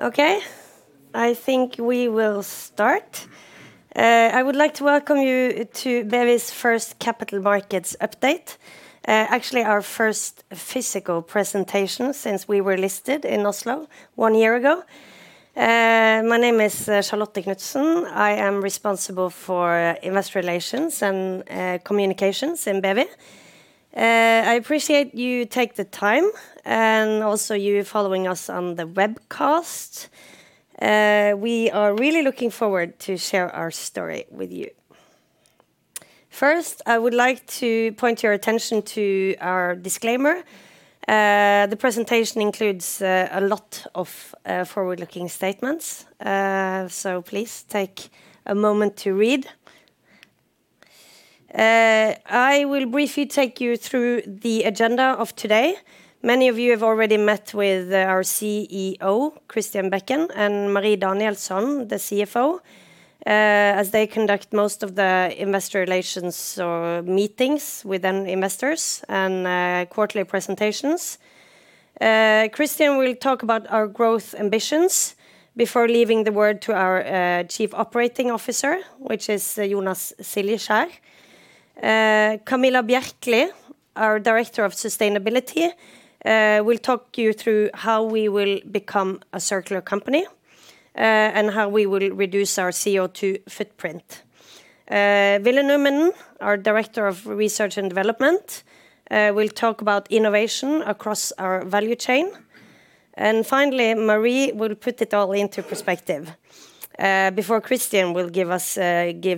Okay, I think we will start. I would like to welcome you to BEWI's first capital markets update. Actually, our first physical presentation since we were listed in Oslo one year ago. My name is Charlotte Knudsen. I am responsible for investor relations and communications in BEWI. I appreciate you take the time and also you following us on the webcast. We are really looking forward to share our story with you. First, I would like to point your attention to our disclaimer. The presentation includes a lot of forward-looking statements, so please take a moment to read. I will briefly take you through the agenda of today. Many of you have already met with our CEO, Christian Bekken, and Marie Danielsson, the CFO, as they conduct most of the investor relations or meetings with investors and quarterly presentations. Christian will talk about our growth ambitions before leaving the word to our chief operating officer, which is Jonas Siljeskär. Camilla Bjerkli, our director of sustainability, will talk you through how we will become a circular company, and how we will reduce our CO2 footprint. Ville Nurminen, our director of research and development, will talk about innovation across our value chain. Finally, Marie will put it all into perspective before Christian will give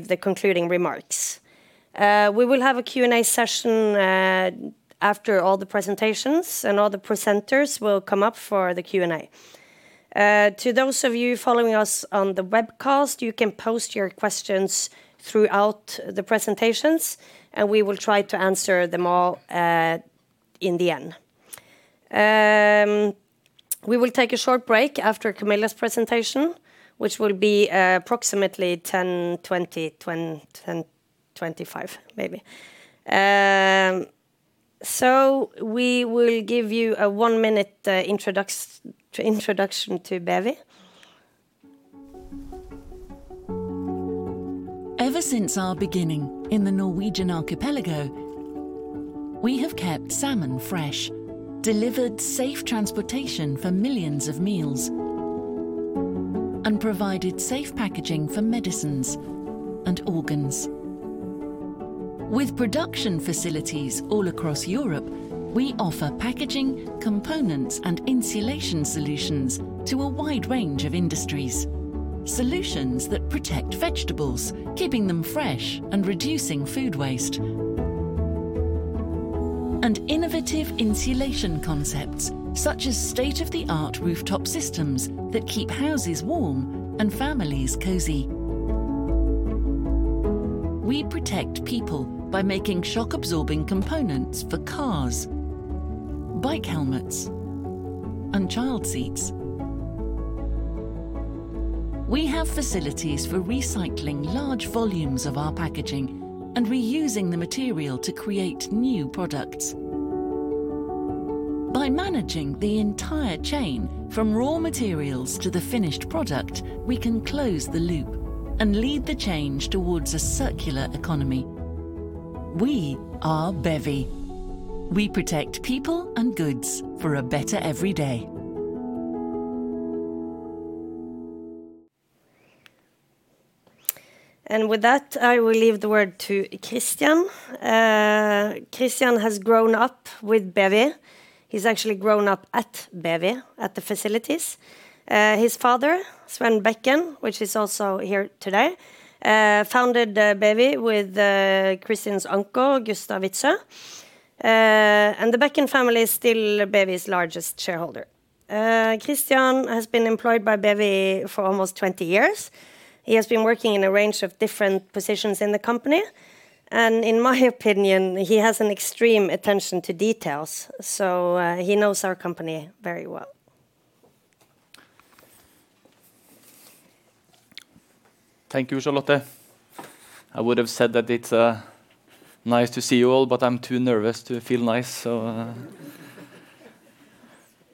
the concluding remarks. We will have a Q&A session after all the presentations, and all the presenters will come up for the Q&A. To those of you following us on the webcast, you can post your questions throughout the presentations, and we will try to answer them all in the end. We will take a short break after Camilla's presentation, which will be approximately 10:20 A.M., 10:25 A.M., maybe. We will give you a one-minute introduction to BEWI. Ever since our beginning in the Norwegian archipelago, we have kept salmon fresh, delivered safe transportation for millions of meals, and provided safe packaging for medicines and organs. With production facilities all across Europe, we offer packaging, components, and insulation solutions to a wide range of industries. Solutions that protect vegetables, keeping them fresh and reducing food waste. Innovative insulation concepts, such as state-of-the-art rooftop systems that keep houses warm and families cozy. We protect people by making shock-absorbing components for cars, bike helmets, and child seats. We have facilities for recycling large volumes of our packaging and reusing the material to create new products. By managing the entire chain from raw materials to the finished product, we can close the loop and lead the change towards a circular economy. We are BEWI. We protect people and goods for a better every day. With that, I will leave the word to Christian. Christian has grown up with BEWI. He's actually grown up at BEWI, at the facilities. His father, Svenn Bekken, which is also here today founded BEWI with Christian's uncle, Gustav Witzøe, and the Bekken family is still BEWI's largest shareholder. Christian has been employed by BEWI for almost 20 years. He has been working in a range of different positions in the company, and in my opinion, he has an extreme attention to details, so he knows our company very well. Thank you, Charlotte. I would have said that it's nice to see you all, but I'm too nervous to feel nice.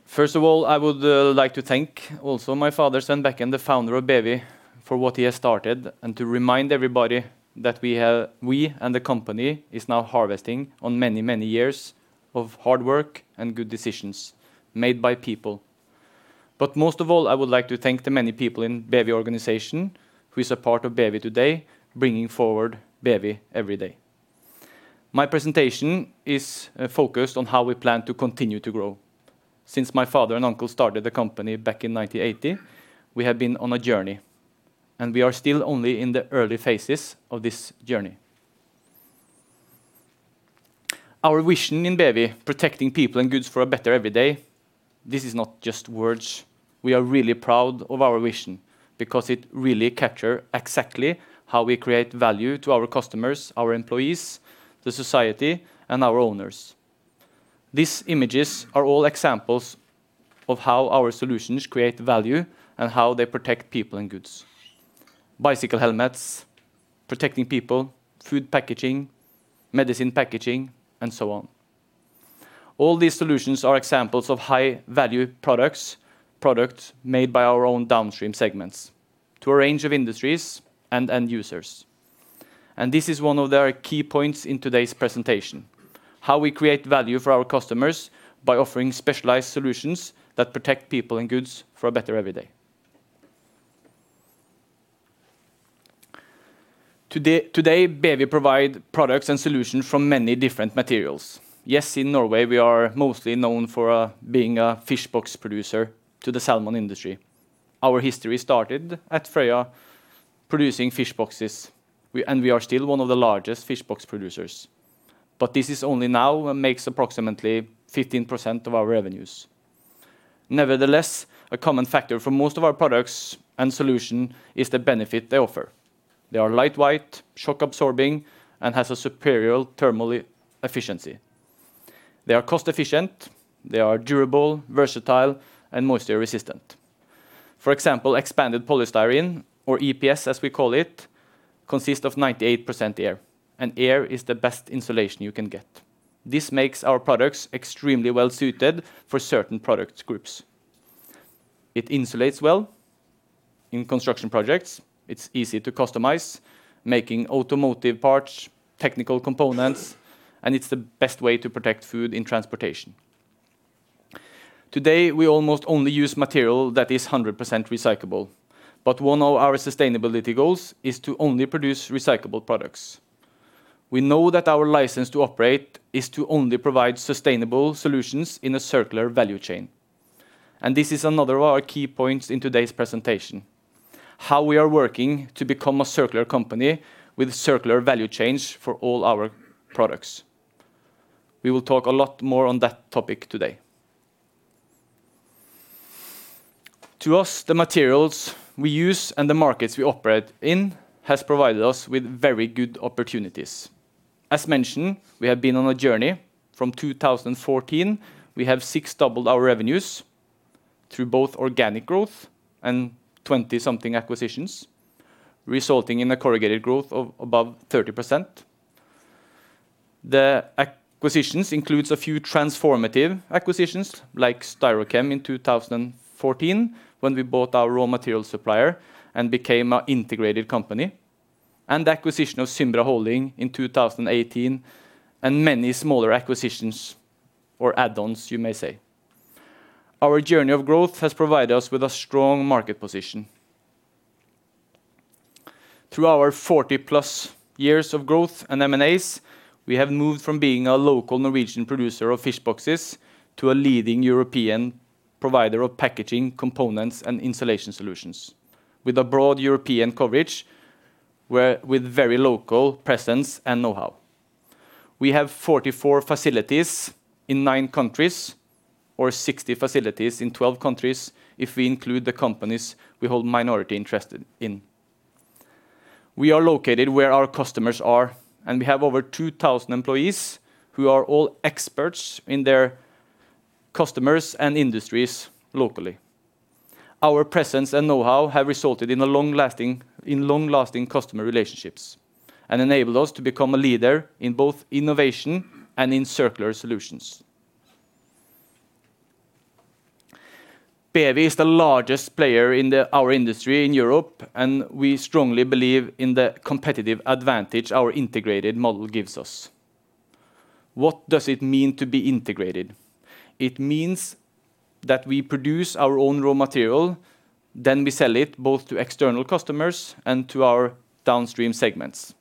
First of all, I would like to thank also my father, Svenn Bekken, the founder of BEWI, for what he has started, and to remind everybody that we and the company is now harvesting on many, many years of hard work and good decisions made by people. Most of all, I would like to thank the many people in BEWI organization who is a part of BEWI today, bringing forward BEWI every day. My presentation is focused on how we plan to continue to grow. My father and uncle started the company back in 1980, we have been on a journey, and we are still only in the early phases of this journey. Our vision in BEWi, protecting people and goods for a better every day, this is not just words. We are really proud of our vision because it really capture exactly how we create value to our customers, our employees, the society, and our owners. These images are all examples of how our solutions create value and how they protect people and goods. Bicycle helmets, protecting people, food packaging, medicine packaging, and so on. All these solutions are examples of high-value products made by our own downstream segments to a range of industries and end users. This is one of the key points in today's presentation, how we create value for our customers by offering specialized solutions that protect people and goods for a better everyday. Today, BEWI provide products and solutions from many different materials. Yes, in Norway, we are mostly known for being a fish box producer to the salmon industry. Our history started at Frøya producing fish boxes, and we are still one of the largest fish box producers. This is only now and makes approximately 15% of our revenues. Nevertheless, a common factor for most of our products and solution is the benefit they offer. They are lightweight, shock-absorbing, and has a superior thermal efficiency. They are cost-efficient, they are durable, versatile, and moisture-resistant. For example, expanded polystyrene, or EPS as we call it, consists of 98% air, and air is the best insulation you can get. This makes our products extremely well-suited for certain product groups. It insulates well in construction projects. It's easy to customize, making automotive parts, technical components, and it's the best way to protect food in transportation. Today, we almost only use material that is 100% recyclable, but one of our sustainability goals is to only produce recyclable products. We know that our license to operate is to only provide sustainable solutions in a circular value chain. This is another of our key points in today's presentation, how we are working to become a circular company with circular value chains for all our products. We will talk a lot more on that topic today. To us, the materials we use and the markets we operate in has provided us with very good opportunities. As mentioned, we have been on a journey. From 2014, we have 6 doubled our revenues through both organic growth and 20 something acquisitions, resulting in a compounded growth of above 30%. The acquisitions includes a few transformative acquisitions, like StyroChem in 2014, when we bought our raw material supplier and became a integrated company, and the acquisition of Synbra Holding in 2018 and many smaller acquisitions or add-ons, you may say. Our journey of growth has provided us with a strong market position. Through our 40+ years of growth and M&As, we have moved from being a local Norwegian producer of fish boxes to a leading European provider of packaging components and insulation solutions with a broad European coverage, with very local presence and know-how. We have 44 facilities in nine countries, or 60 facilities in 12 countries if we include the companies we hold minority interest in. We are located where our customers are, and we have over 2,000 employees who are all experts in their customers and industries locally. Our presence and know-how have resulted in long-lasting customer relationships and enabled us to become a leader in both innovation and in circular solutions. BEWI is the largest player in our industry in Europe. We strongly believe in the competitive advantage our integrated model gives us. What does it mean to be integrated? It means that we produce our own raw material. Then we sell it both to external customers and to our downstream segments.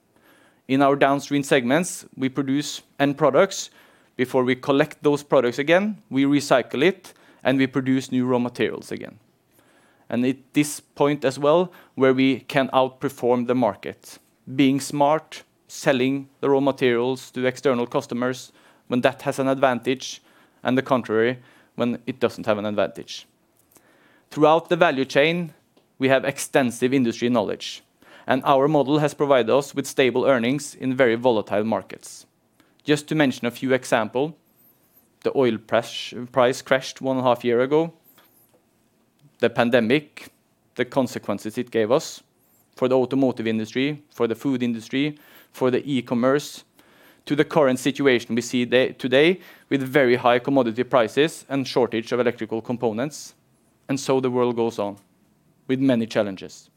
In our downstream segments, we produce end products. Before we collect those products again, we recycle it, and we produce new raw materials again. At this point as well, where we can outperform the market, being smart, selling the raw materials to external customers when that has an advantage, and the contrary, when it doesn't have an advantage. Throughout the value chain, we have extensive industry knowledge, and our model has provided us with stable earnings in very volatile markets. Just to mention a few example, the oil price crashed one and a half year ago, the pandemic, the consequences it gave us for the automotive industry, for the food industry, for the e-commerce, to the current situation we see today with very high commodity prices and shortage of electrical components, and so the world goes on with many challenges.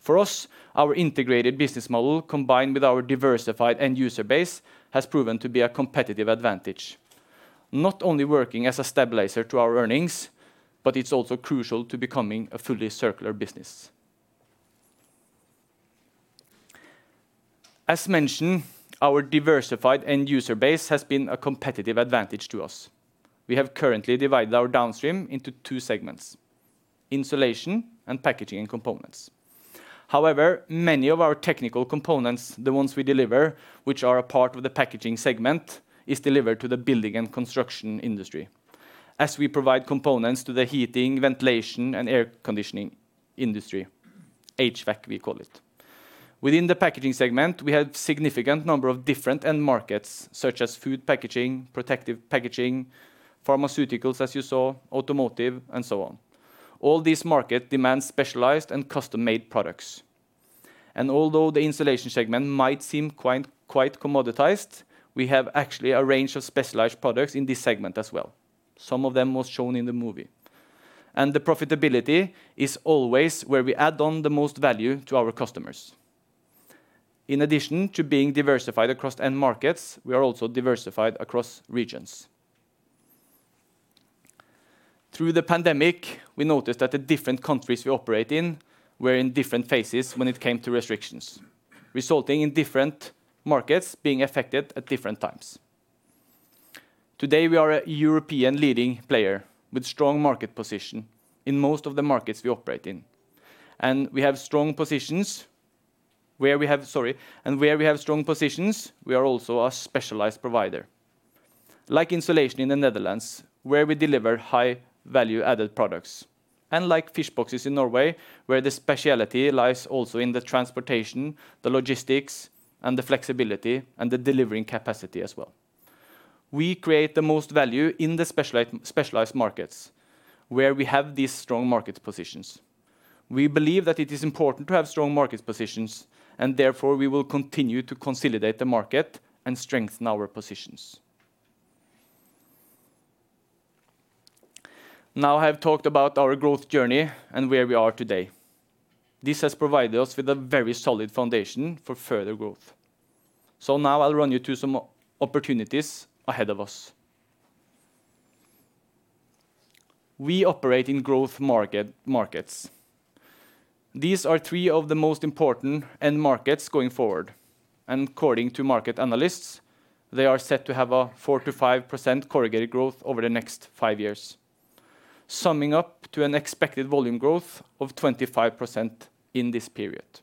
For us, our integrated business model, combined with our diversified end user base, has proven to be a competitive advantage, not only working as a stabilizer to our earnings, but it's also crucial to becoming a fully circular business. As mentioned, our diversified end user base has been a competitive advantage to us. We have currently divided our downstream into two segments, insulation and packaging and components. However, many of our technical components, the ones we deliver, which are a part of the packaging segment, is delivered to the building and construction industry, as we provide components to the heating, ventilation, and air conditioning industry. HVAC, we call it. Within the packaging segment, we have significant number of different end markets such as food packaging, protective packaging, pharmaceuticals, as you saw, automotive and so on. All these market demands specialized and custom-made products. Although the insulation segment might seem quite commoditized, we have actually a range of specialized products in this segment as well. Some of them was shown in the movie. The profitability is always where we add on the most value to our customers. In addition to being diversified across end markets, we are also diversified across regions. Through the pandemic, we noticed that the different countries we operate in were in different phases when it came to restrictions, resulting in different markets being affected at different times. Today, we are a European leading player with strong market position in most of the markets we operate in. Where we have strong positions, we are also a specialized provider. Like insulation in the Netherlands, where we deliver high value-added products. Like fish boxes in Norway, where the specialty lies also in the transportation, the logistics, and the flexibility, and the delivering capacity as well. We create the most value in the specialized markets where we have these strong market positions. We believe that it is important to have strong market positions, and therefore we will continue to consolidate the market and strengthen our positions. Now I have talked about our growth journey and where we are today. This has provided us with a very solid foundation for further growth. Now I'll run you through some opportunities ahead of us. We operate in growth markets. These are three of the most important end markets going forward, and according to market analysts, they are set to have a 4%-5% compounded growth over the next five years, summing up to an expected volume growth of 25% in this period.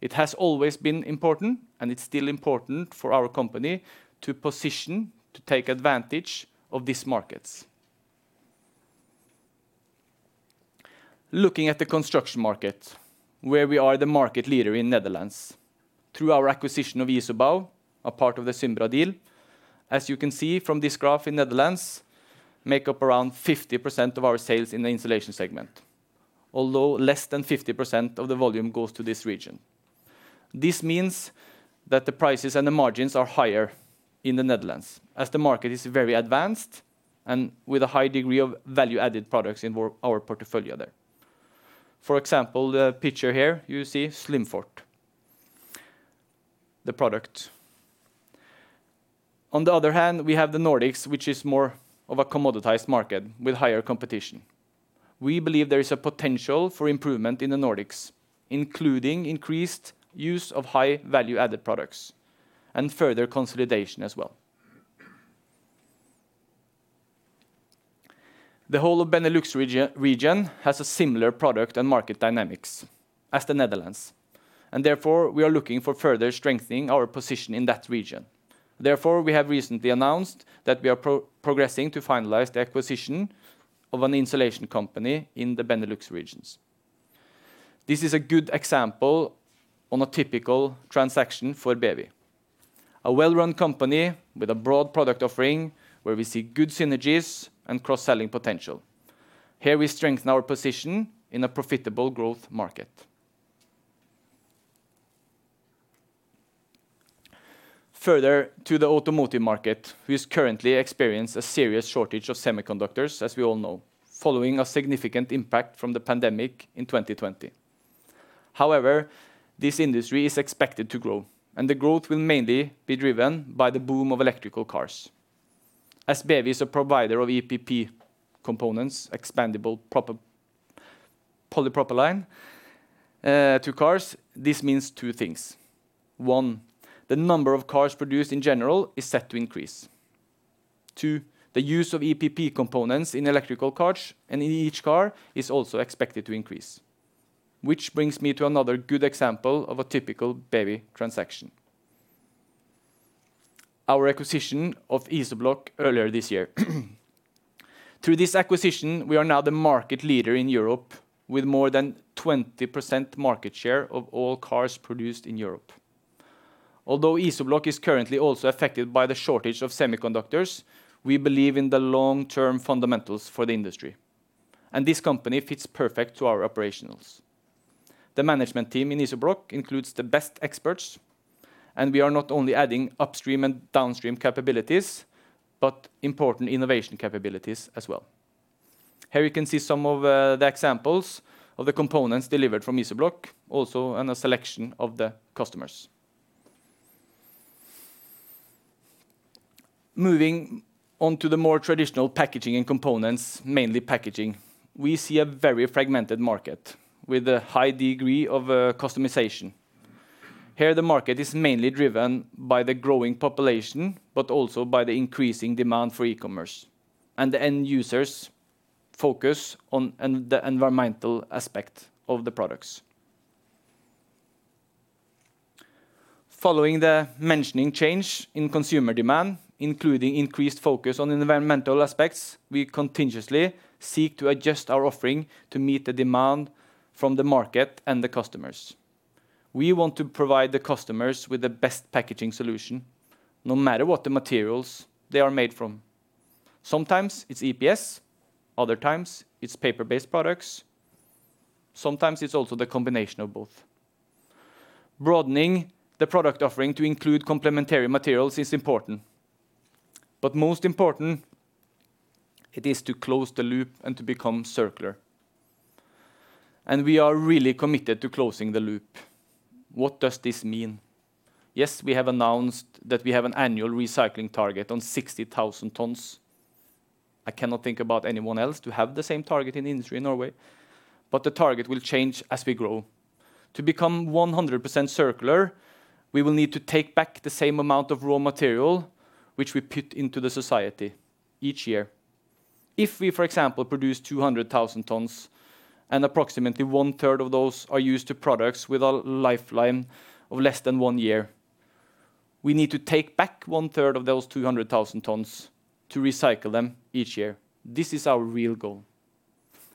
It has always been important, and it's still important for our company to position to take advantage of these markets. Looking at the construction market, where we are the market leader in Netherlands. Through our acquisition of IsoBouw, a part of the Synbra deal, as you can see from this graph in Netherlands, make up around 50% of our sales in the insulation segment. Although less than 50% of the volume goes to this region. This means that the prices and the margins are higher in the Netherlands, as the market is very advanced and with a high degree of value-added products in our portfolio there. For example, the picture here, you see SlimFort, the product. On the other hand, we have the Nordics, which is more of a commoditized market with higher competition. We believe there is a potential for improvement in the Nordics, including increased use of high value-added products and further consolidation as well. The whole of Benelux region has a similar product and market dynamics as the Netherlands, and therefore we are looking for further strengthening our position in that region. Therefore, we have recently announced that we are progressing to finalize the acquisition of an insulation company in the Benelux regions. This is a good example on a typical transaction for BEWI. A well-run company with a broad product offering where we see good synergies and cross-selling potential. Here we strengthen our position in a profitable growth market. Further to the automotive market, who has currently experienced a serious shortage of semiconductors, as we all know, following a significant impact from the pandemic in 2020. However, this industry is expected to grow, and the growth will mainly be driven by the boom of electrical cars. As BEWI is a provider of EPP components, expandable polypropylene to cars, this means two things. One, the number of cars produced in general is set to increase. Two, the use of EPP components in electrical cars and in each car is also expected to increase. Which brings me to another good example of a typical BEWI transaction. Our acquisition of IZOBLOK earlier this year. Through this acquisition, we are now the market leader in Europe with more than 20% market share of all cars produced in Europe. Although IZOBLOK is currently also affected by the shortage of semiconductors, we believe in the long-term fundamentals for the industry, and this company fits perfect to our operationals. The management team in IZOBLOK includes the best experts, and we are not only adding upstream and downstream capabilities, but important innovation capabilities as well. Here you can see some of the examples of the components delivered from IZOBLOK, also and a selection of the customers. Moving on to the more traditional packaging and components, mainly packaging. We see a very fragmented market with a high degree of customization. Here, the market is mainly driven by the growing population, but also by the increasing demand for e-commerce and the end users focus on the environmental aspect of the products. Following the mentioning change in consumer demand, including increased focus on environmental aspects, we continuously seek to adjust our offering to meet the demand from the market and the customers. We want to provide the customers with the best packaging solution, no matter what the materials they are made from. Sometimes it's EPS, other times it's paper-based products. Sometimes it's also the combination of both. Broadening the product offering to include complementary materials is important, but most important it is to close the loop and to become circular. We are really committed to closing the loop. What does this mean? Yes, we have announced that we have an annual recycling target on 60,000 tons. I cannot think about anyone else to have the same target in the industry in Norway, but the target will change as we grow. To become 100% circular, we will need to take back the same amount of raw material which we put into the society each year. If we, for example, produce 200,000 tons and approximately 1/3 of those are used to products with a lifeline of less than 1 year, we need to take back 1/3 of those 200,000 tons to recycle them each year. This is our real goal.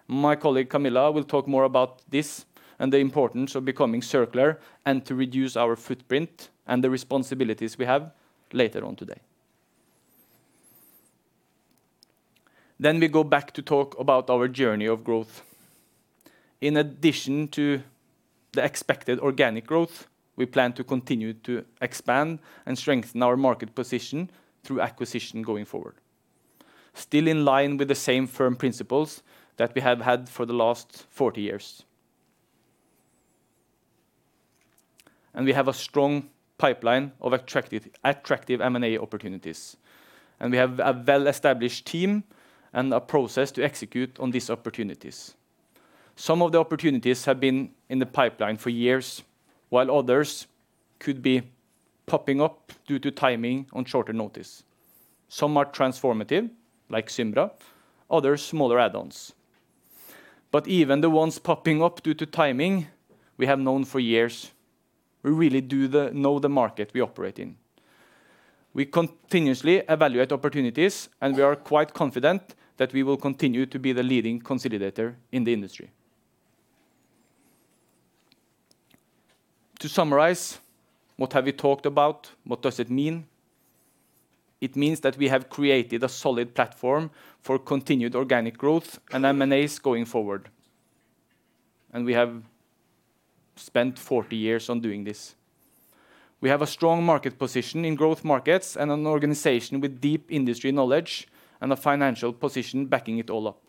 My colleague, Camilla, will talk more about this and the importance of becoming circular and to reduce our footprint and the responsibilities we have later on today. We go back to talk about our journey of growth. In addition to the expected organic growth, we plan to continue to expand and strengthen our market position through acquisition going forward, still in line with the same firm principles that we have had for the last 40 years. We have a strong pipeline of attractive M&A opportunities, and we have a well-established team and a process to execute on these opportunities. Some of the opportunities have been in the pipeline for years, while others could be popping up due to timing on shorter notice. Some are transformative, like Synbra, others smaller add-ons. Even the ones popping up due to timing, we have known for years. We really do know the market we operate in. We continuously evaluate opportunities, and we are quite confident that we will continue to be the leading consolidator in the industry. To summarize, what have we talked about? What does it mean? It means that we have created a solid platform for continued organic growth and M&As going forward, and we have spent 40 years on doing this. We have a strong market position in growth markets and an organization with deep industry knowledge and a financial position backing it all up.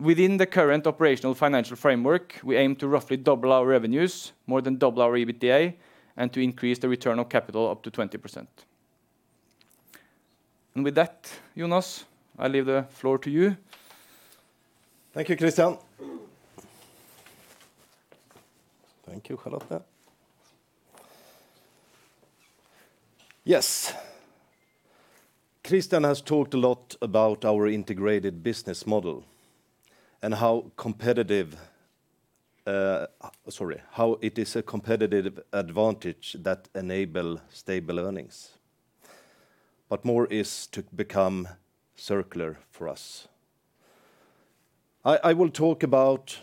Within the current operational financial framework, we aim to roughly double our revenues, more than double our EBITDA, and to increase the return of capital up to 20%. With that, Jonas, I leave the floor to you. Thank you, Christian. Thank you, Charlotte. Yes. Christian has talked a lot about our integrated business model and how it is a competitive advantage that enable stable earnings. More is to become circular for us. I will talk about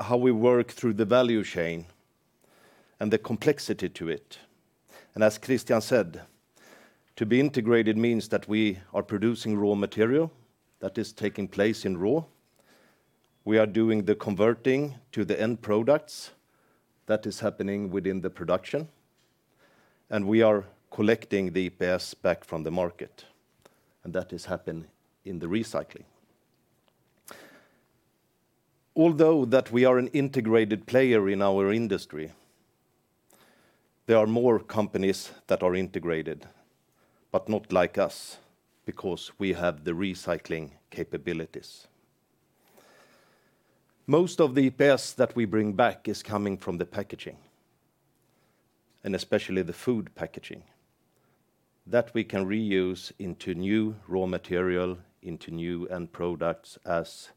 how we work through the value chain and the complexity to it. As Christian said, to be integrated means that we are producing raw material that is taking place in raw. We are doing the converting to the end products that is happening within the production, and we are collecting the EPS back from the market, and that is happening in the recycling. Although that we are an integrated player in our industry, there are more companies that are integrated, but not like us because we have the recycling capabilities. Most of the EPS that we bring back is coming from the packaging, and especially the food packaging that we can reuse into new raw material, into new end products as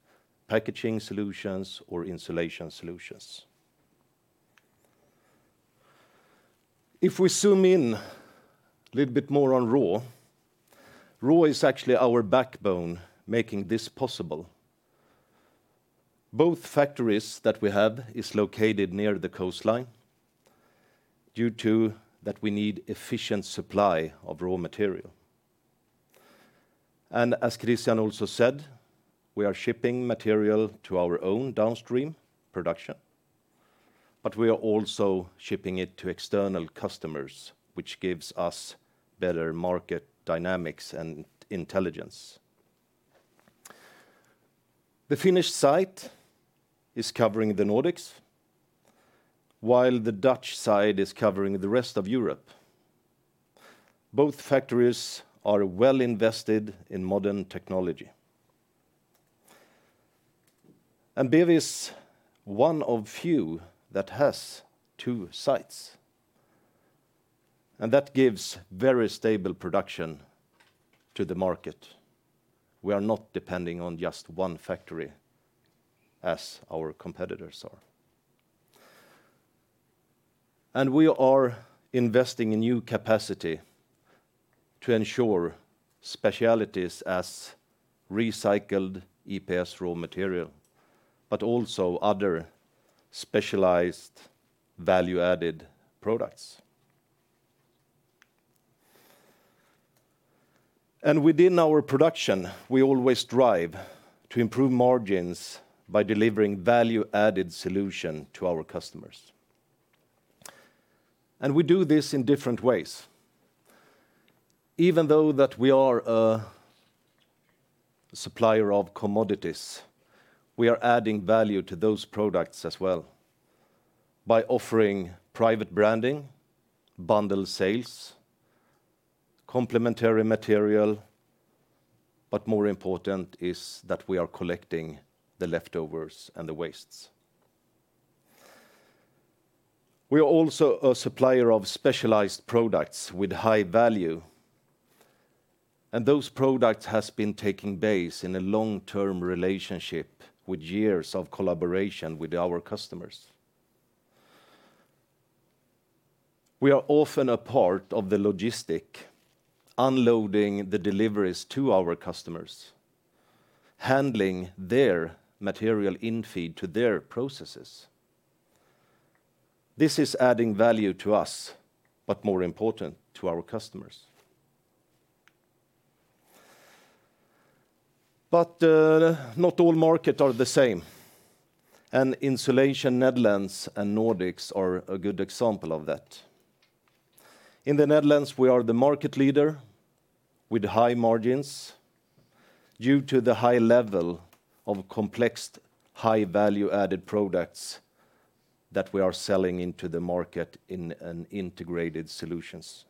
packaging solutions or insulation solutions. If we zoom in a little bit more on raw is actually our backbone making this possible. Both factories that we have is located near the coastline due to that we need efficient supply of raw material. As Christian also said, we are shipping material to our own downstream production, but we are also shipping it to external customers, which gives us better market dynamics and intelligence. The Finnish site is covering the Nordics, while the Dutch side is covering the rest of Europe. Both factories are well invested in modern technology. BEWI is one of few that has two sites. That gives very stable production to the market. We are not depending on just one factory as our competitors are. We are investing in new capacity to ensure specialties as recycled EPS raw material, but also other specialized value-added products. Within our production, we always strive to improve margins by delivering value-added solution to our customers. We do this in different ways. Even though that we are a supplier of commodities, we are adding value to those products as well by offering private branding, bundle sales, complementary material, but more important is that we are collecting the leftovers and the wastes. We are also a supplier of specialized products with high value, those products has been taking base in a long-term relationship with years of collaboration with our customers. We are often a part of the logistic, unloading the deliveries to our customers, handling their material in-feed to their processes. This is adding value to us, but more important, to our customers. Not all market are the same, and Insulation Netherlands and Nordics are a good example of that. In the Netherlands, we are the market leader with high margins due to the high level of complex, high value-added products that we are selling into the market in an integrated solutions.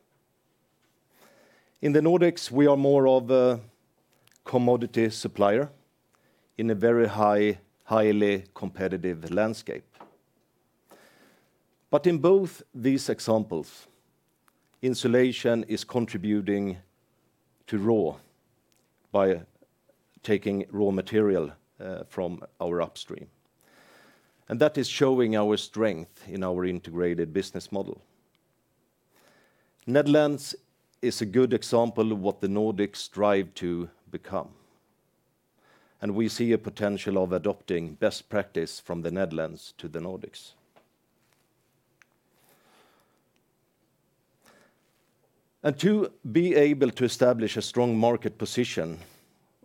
In the Nordics, we are more of a commodity supplier in a very highly competitive landscape. In both these examples, Insulation is contributing to raw by taking raw material from our upstream. That is showing our strength in our integrated business model. Netherlands is a good example of what the Nordics strive to become, and we see a potential of adopting best practice from the Netherlands to the Nordics. To be able to establish a strong market position,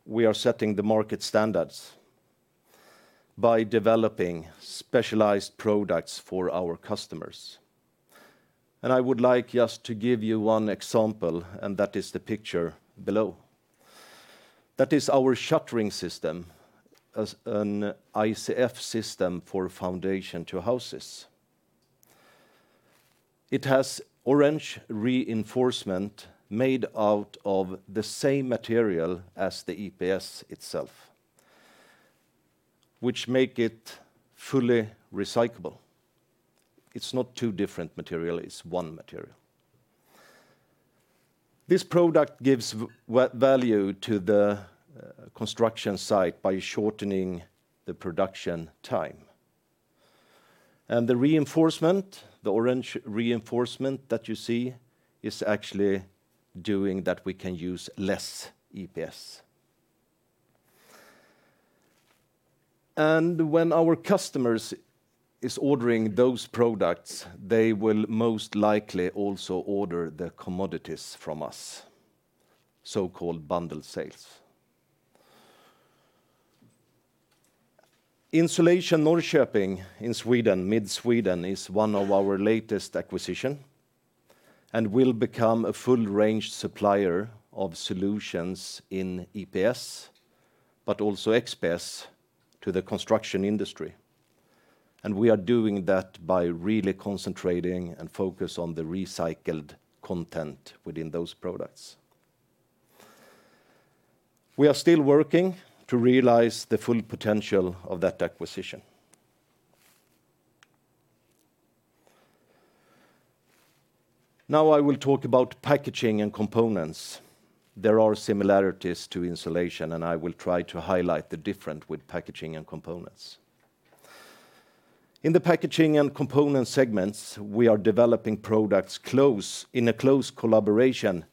we are setting the market standards by developing specialized products for our customers. I would like just to give you one example, and that is the picture below. That is our shuttering system as an ICF system for foundation to houses. It has orange reinforcement made out of the same material as the EPS itself, which make it fully recyclable. It's not two different material, it's one material. This product gives value to the construction site by shortening the production time. The orange reinforcement that you see is actually doing that we can use less EPS. When our customers is ordering those products, they will most likely also order the commodities from us, so-called bundle sales. Insulation Norrköping in Sweden, mid Sweden, is one of our latest acquisition and will become a full range supplier of solutions in EPS, but also XPS to the construction industry. We are doing that by really concentrating and focus on the recycled content within those products. We are still working to realize the full potential of that acquisition. Now I will talk about packaging and components. There are similarities to Insulation, and I will try to highlight the difference with packaging and components. In the packaging and components segments, we are developing products in a close collaboration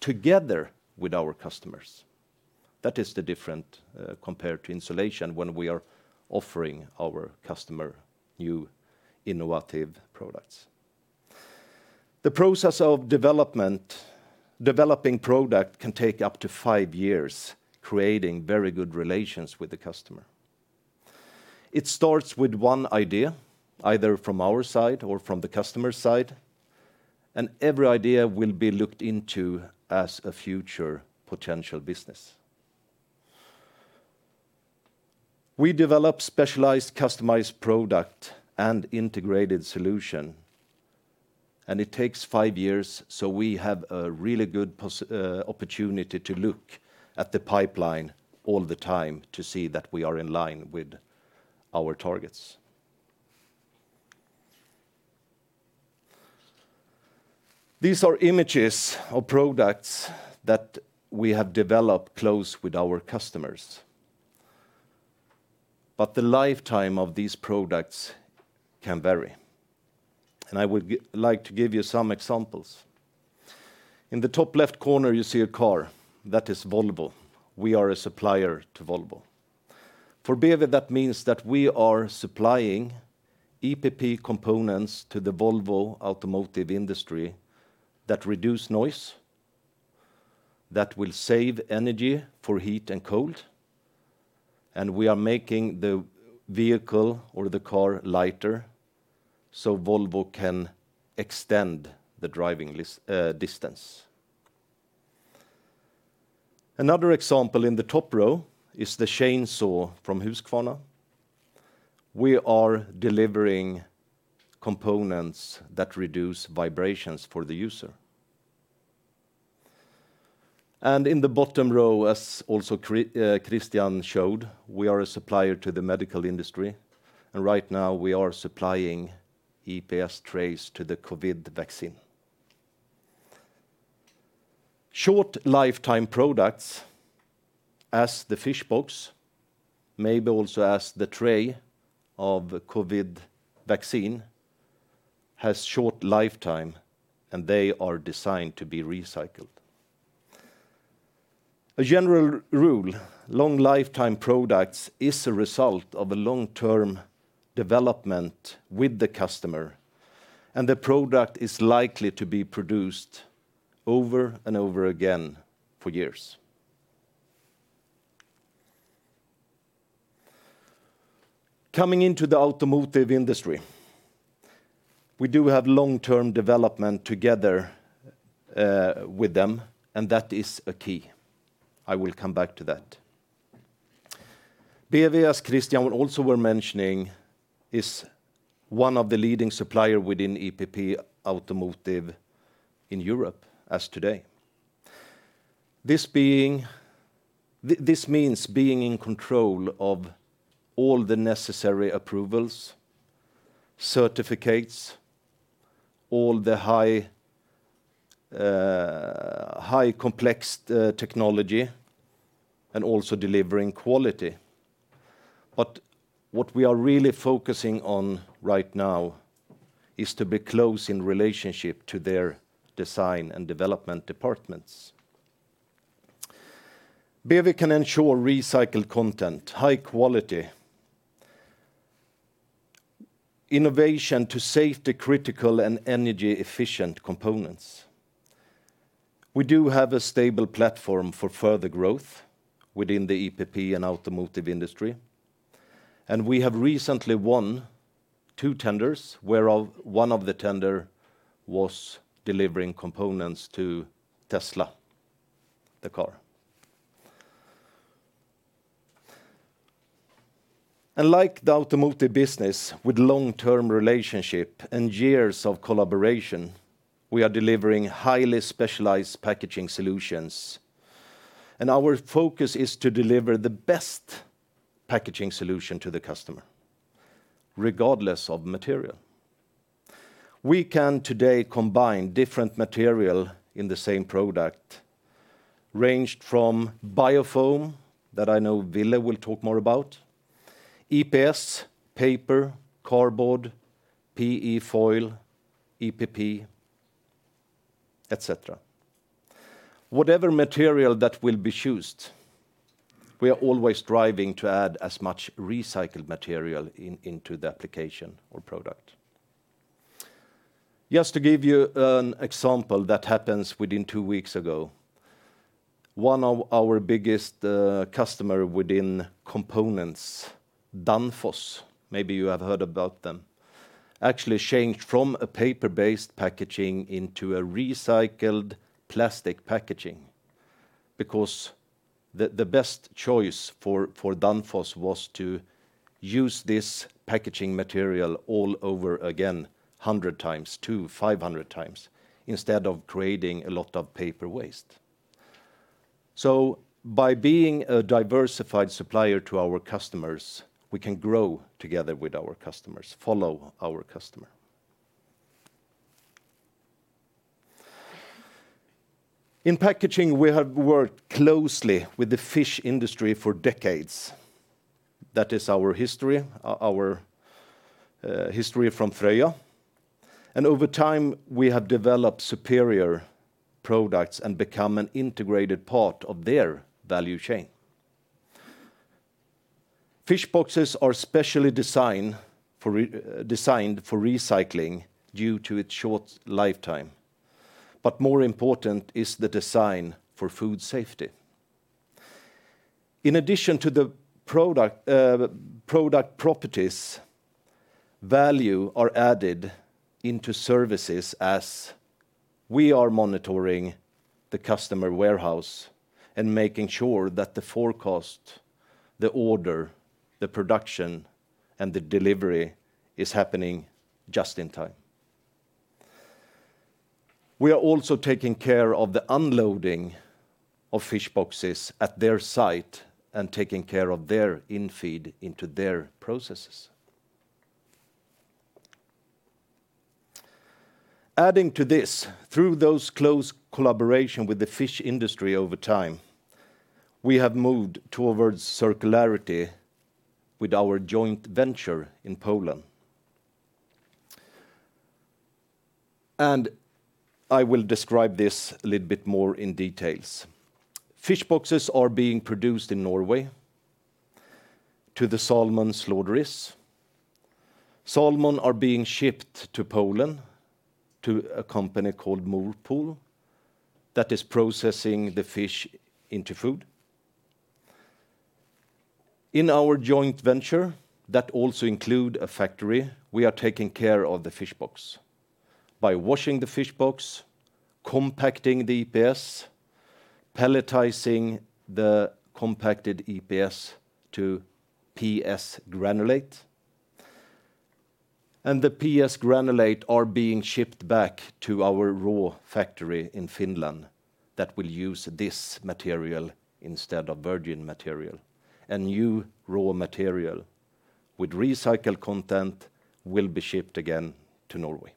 together with our customers. That is the difference compared to Insulation when we are offering our customer new innovative products. The process of developing product can take up to 5 years, creating very good relations with the customer. It starts with one idea, either from our side or from the customer's side, and every idea will be looked into as a future potential business. We develop specialized customized product and integrated solution, and it takes five years, so we have a really good opportunity to look at the pipeline all the time to see that we are in line with our targets. These are images of products that we have developed close with our customers. The lifetime of these products can vary. I would like to give you some examples. In the top left corner, you see a car that is Volvo. We are a supplier to Volvo. For BEWI, that means that we are supplying EPP components to the Volvo automotive industry that reduce noise, that will save energy for heat and cold, and we are making the vehicle or the car lighter so Volvo can extend the driving distance. Another example in the top row is the chainsaw from Husqvarna. We are delivering components that reduce vibrations for the user. In the bottom row, as also Christian showed, we are a supplier to the medical industry, and right now we are supplying EPS trays to the COVID vaccine. Short lifetime products as the fish box, maybe also as the tray of the COVID vaccine, has short lifetime, and they are designed to be recycled. A general rule, long lifetime products is a result of a long-term development with the customer, and the product is likely to be produced over and over again for years. Coming into the automotive industry, we do have long-term development together with them, and that is a key. I will come back to that. BEWI as Christian also were mentioning, is one of the leading supplier within EPP automotive in Europe as today. This means being in control of all the necessary approvals, certificates, all the high complex technology, and also delivering quality. What we are really focusing on right now is to be close in relationship to their design and development departments. BEWI can ensure recycled content, high quality, innovation to safety critical and energy-efficient components. We do have a stable platform for further growth within the EPP and automotive industry, and we have recently won 2 tenders, where one of the tender was delivering components to Tesla, the car. Like the automotive business with long-term relationship and years of collaboration, we are delivering highly specialized packaging solutions. Our focus is to deliver the best packaging solution to the customer, regardless of material. We can today combine different material in the same product, ranged from BioFoam that I know Ville will talk more about, EPS, paper, cardboard, PE foil, EPP, et cetera. Whatever material that will be used, we are always striving to add as much recycled material into the application or product. Just to give you an example that happens within two weeks ago. One of our biggest customers within components, Danfoss, maybe you have heard about them, actually changed from a paper-based packaging into a recycled plastic packaging because the best choice for Danfoss was to use this packaging material all over again 100 times to 500 times instead of creating a lot of paper waste. By being a diversified supplier to our customers, we can grow together with our customers, follow our customer. In packaging, we have worked closely with the fish industry for decades. That is our history from Frøya. Over time, we have developed superior products and become an integrated part of their value chain. Fish boxes are specially designed for recycling due to its short lifetime. More important is the design for food safety. In addition to the product properties, value are added into services as we are monitoring the customer warehouse and making sure that the forecast, the order, the production, and the delivery is happening just in time. We are also taking care of the unloading of fish boxes at their site and taking care of their in-feed into their processes. Adding to this, through those close collaboration with the fish industry over time, we have moved towards circularity with our joint venture in Poland. I will describe this a little bit more in details. Fish boxes are being produced in Norway to the salmon slaughterhouses. Salmon are being shipped to Poland to a company called Morpol that is processing the fish into food. In our joint venture that also include a factory, we are taking care of the fish box by washing the fish box, compacting the EPS, pelletizing the compacted EPS to PS granulate. The PS granulate are being shipped back to our raw factory in Finland that will use this material instead of virgin material. New raw material with recycled content will be shipped again to Norway.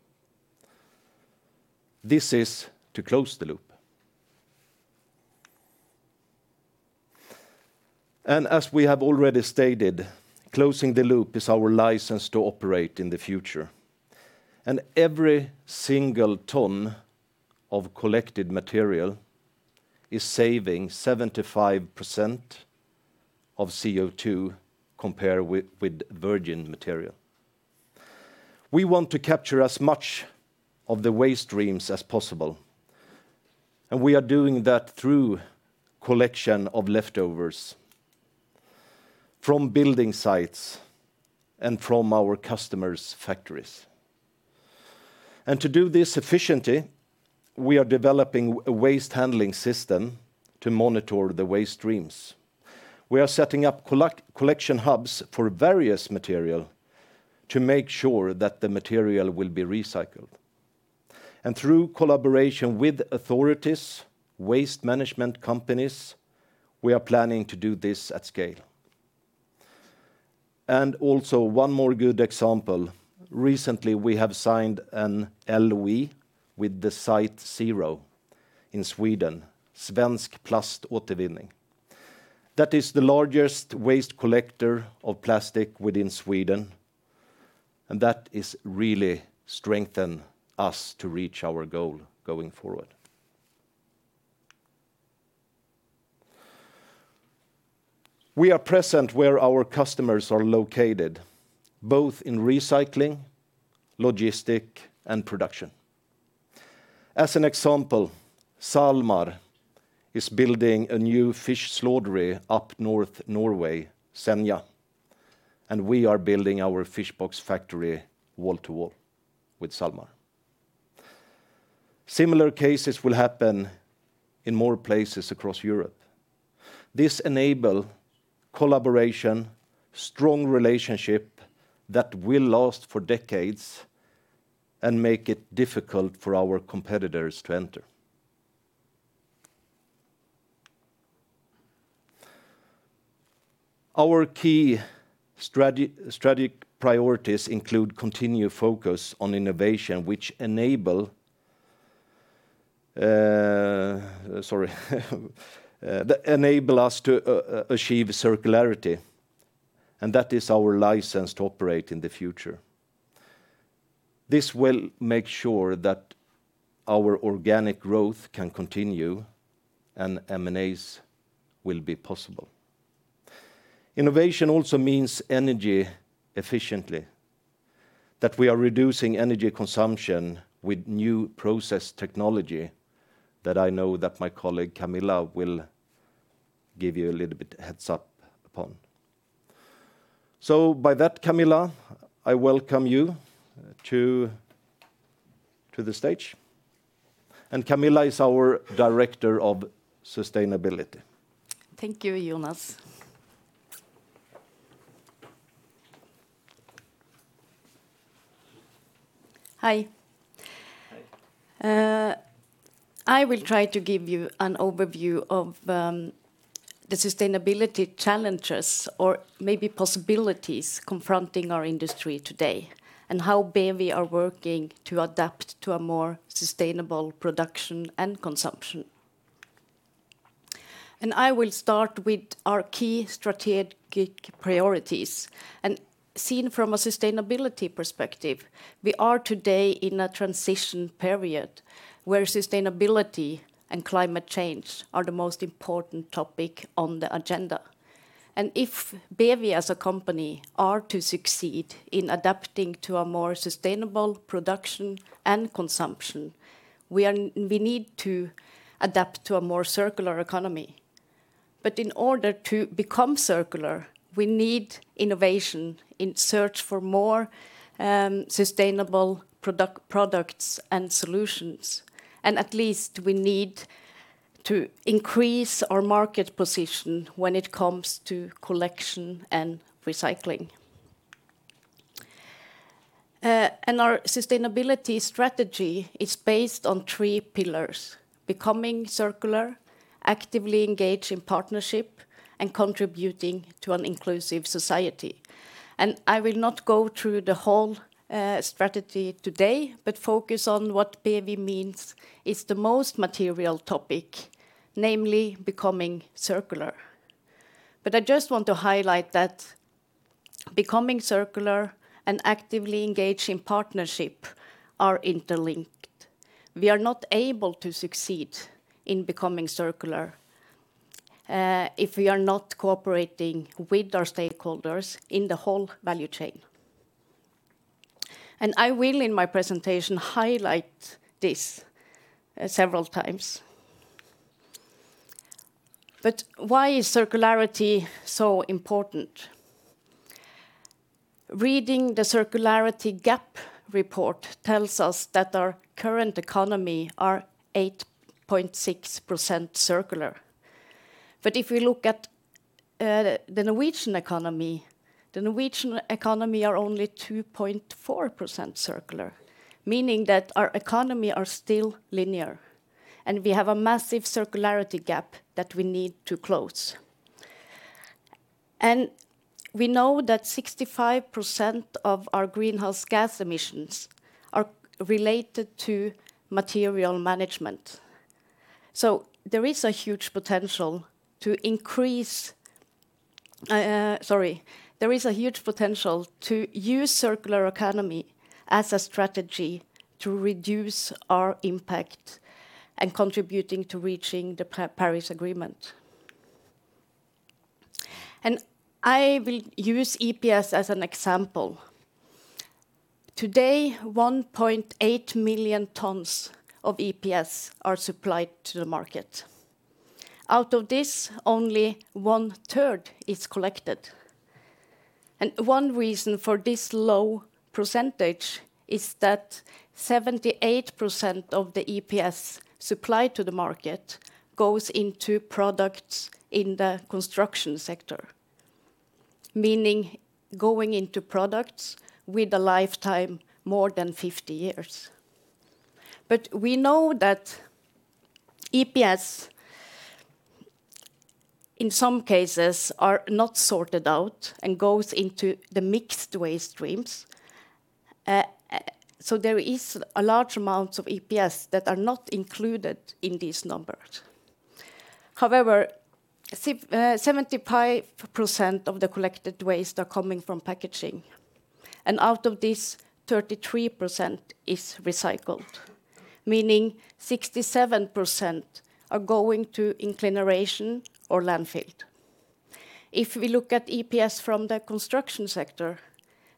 This is to close the loop. As we have already stated, closing the loop is our license to operate in the future, and every single ton of collected material is saving 75% of CO2 compared with virgin material. We want to capture as much of the waste streams as possible, we are doing that through collection of leftovers from building sites and from our customers' factories. To do this efficiently, we are developing a waste handling system to monitor the waste streams. We are setting up collection hubs for various material to make sure that the material will be recycled. Through collaboration with authorities, waste management companies, we are planning to do this at scale. Also one more good example. Recently, we have signed an LOI with the Site Zero in Sweden, Svensk Plaståtervinning. That is the largest waste collector of plastic within Sweden, and that is really strengthen us to reach our goal going forward. We are present where our customers are located, both in recycling, logistic, and production. As an example, SalMar is building a new fish slaughtery up north Norway, Senja, and we are building our fish box factory wall to wall with SalMar. Similar cases will happen in more places across Europe. This enable collaboration, strong relationship that will last for decades and make it difficult for our competitors to enter. Our key strategic priorities include continued focus on innovation, which enable us to achieve Circularity, and that is our license to operate in the future. This will make sure that our organic growth can continue and M&As will be possible. Innovation also means energy efficiently, that we are reducing energy consumption with new process technology that I know that my colleague Camilla will give you a little bit heads up upon. By that, Camilla, I welcome you to the stage. Camilla is our Director of Sustainability. Thank you, Jonas. Hi. Hi. I will try to give you an overview of the sustainability challenges or maybe possibilities confronting our industry today, and how BEWI are working to adapt to a more sustainable production and consumption. I will start with our key strategic priorities. Seen from a sustainability perspective, we are today in a transition period where sustainability and climate change are the most important topic on the agenda. If BEWI as a company are to succeed in adapting to a more sustainable production and consumption, we need to adapt to a more circular economy. In order to become circular, we need innovation in search for more sustainable products and solutions. At least we need to increase our market position when it comes to collection and recycling. Our sustainability strategy is based on three pillars: becoming circular, actively engage in partnership, and contributing to an inclusive society. I will not go through the whole strategy today, but focus on what BEWI means is the most material topic, namely becoming circular. I just want to highlight that becoming circular and actively engage in partnership are interlinked. We are not able to succeed in becoming circular if we are not cooperating with our stakeholders in the whole value chain. I will, in my presentation, highlight this several times. Why is circularity so important? Reading the Circularity Gap Report tells us that our current economy are 8.6% circular. If we look at the Norwegian economy, the Norwegian economy are only 2.4% circular, meaning that our economy are still linear, and we have a massive Circularity Gap that we need to close. We know that 65% of our greenhouse gas emissions are related to material management. There is a huge potential to use circular economy as a strategy to reduce our impact and contributing to reaching the Paris Agreement. I will use EPS as an example. Today, 1.8 million tons of EPS are supplied to the market. Out of this, only one third is collected. One reason for this low percentage is that 78% of the EPS supplied to the market goes into products in the construction sector, meaning going into products with a lifetime more than 50 years. We know that EPS, in some cases, are not sorted out and goes into the mixed waste streams. There is a large amount of EPS that are not included in these numbers. However, 75% of the collected waste are coming from packaging, and out of this, 33% is recycled, meaning 67% are going to incineration or landfill. We look at EPS from the construction sector,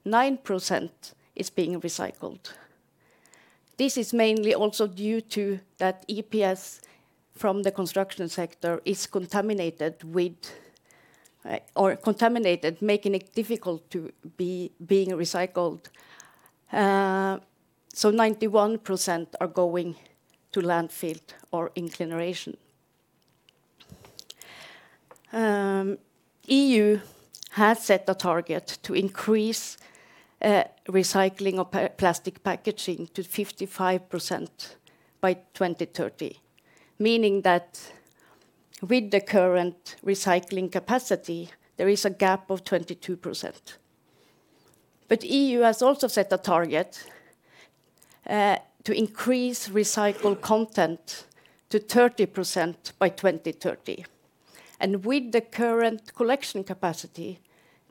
9% is being recycled. This is mainly also due to that EPS from the construction sector is contaminated, making it difficult to being recycled. 91% are going to landfill or incineration. EU has set a target to increase recycling of plastic packaging to 55% by 2030, meaning that with the current recycling capacity, there is a gap of 22%. EU has also set a target to increase recycled content to 30% by 2030, and with the current collection capacity,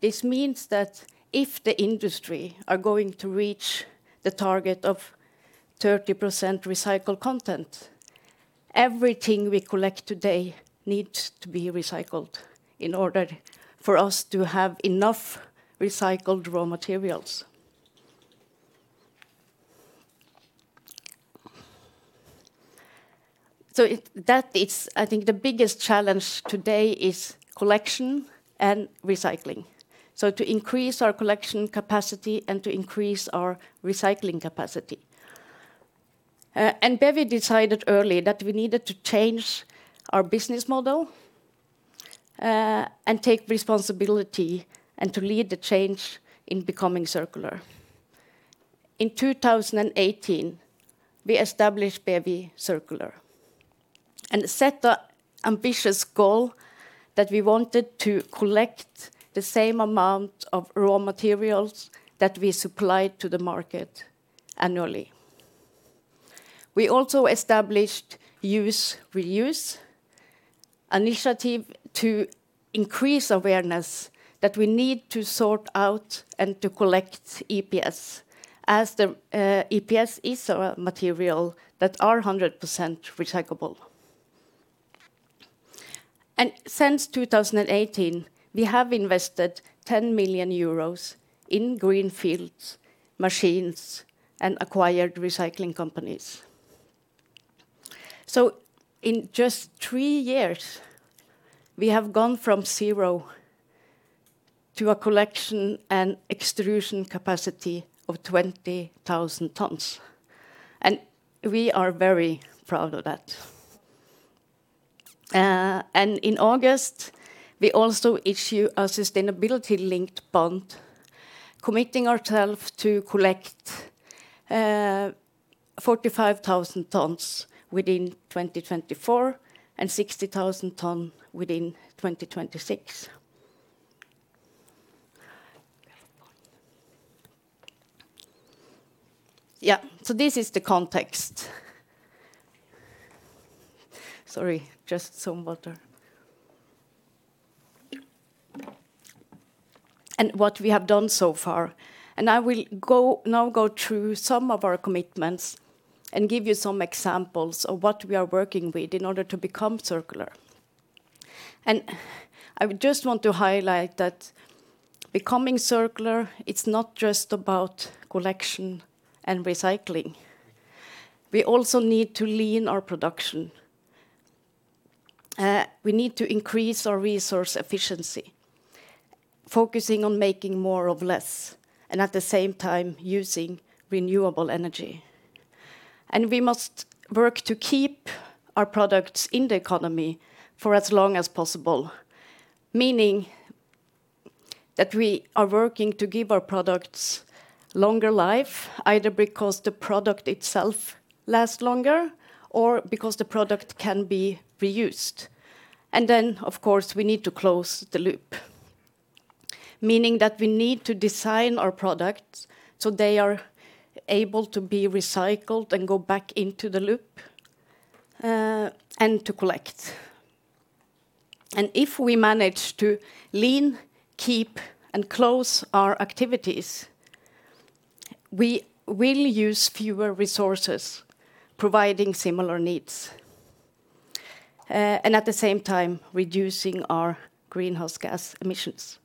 this means that if the industry are going to reach the target of 30% recycled content, everything we collect today needs to be recycled in order for us to have enough recycled raw materials. That is, I think, the biggest challenge today is collection and recycling. To increase our collection capacity and to increase our recycling capacity. BEWI decided early that we needed to change our business model, and take responsibility, and to lead the change in becoming circular. In 2018, we established BEWI Circular and set the ambitious goal that we wanted to collect the same amount of raw materials that we supplied to the market annually. We also established Use-ReUse initiative to increase awareness that we need to sort out and to collect EPS, as the EPS is a material that are 100% recyclable. Since 2018, we have invested 10 million euros in greenfields, machines, and acquired recycling companies. In just three years, we have gone from zero to a collection and extrusion capacity of 20,000 tons, and we are very proud of that. In August, we also issue a sustainability-linked bond, committing ourselves to collect 45,000 tons within 2024 and 60,000 tons within 2026. This is the context. Sorry, just some water. What we have done so far, and I will now go through some of our commitments and give you some examples of what we are working with in order to become circular. I just want to highlight that becoming circular, it's not just about collection and recycling. We also need to lean our production. We need to increase our resource efficiency, focusing on making more of less, and at the same time using renewable energy. We must work to keep our products in the economy for as long as possible, meaning that we are working to give our products longer life, either because the product itself lasts longer or because the product can be reused. Of course, we need to close the loop, meaning that we need to design our products so they are able to be recycled and go back into the loop, and to collect. If we manage to lean, keep, and close our activities, we will use fewer resources, providing similar needs. At the same time, reducing our greenhouse gas emissions.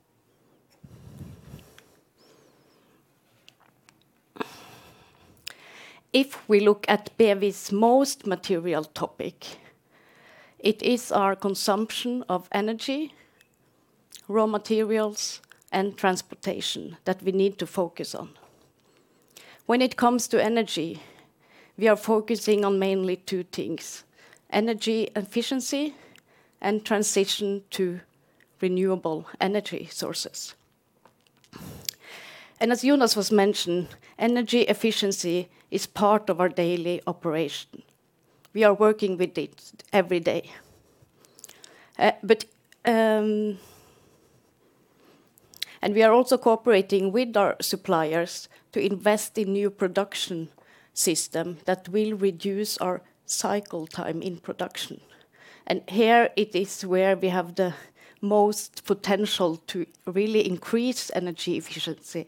If we look at BEWI's most material topic, it is our consumption of energy, raw materials, and transportation that we need to focus on. When it comes to energy, we are focusing on mainly two things, energy efficiency and transition to renewable energy sources. As Jonas was mentioning, energy efficiency is part of our daily operation. We are working with it every day, and we are also cooperating with our suppliers to invest in new production system that will reduce our cycle time in production. Here it is where we have the most potential to really increase energy efficiency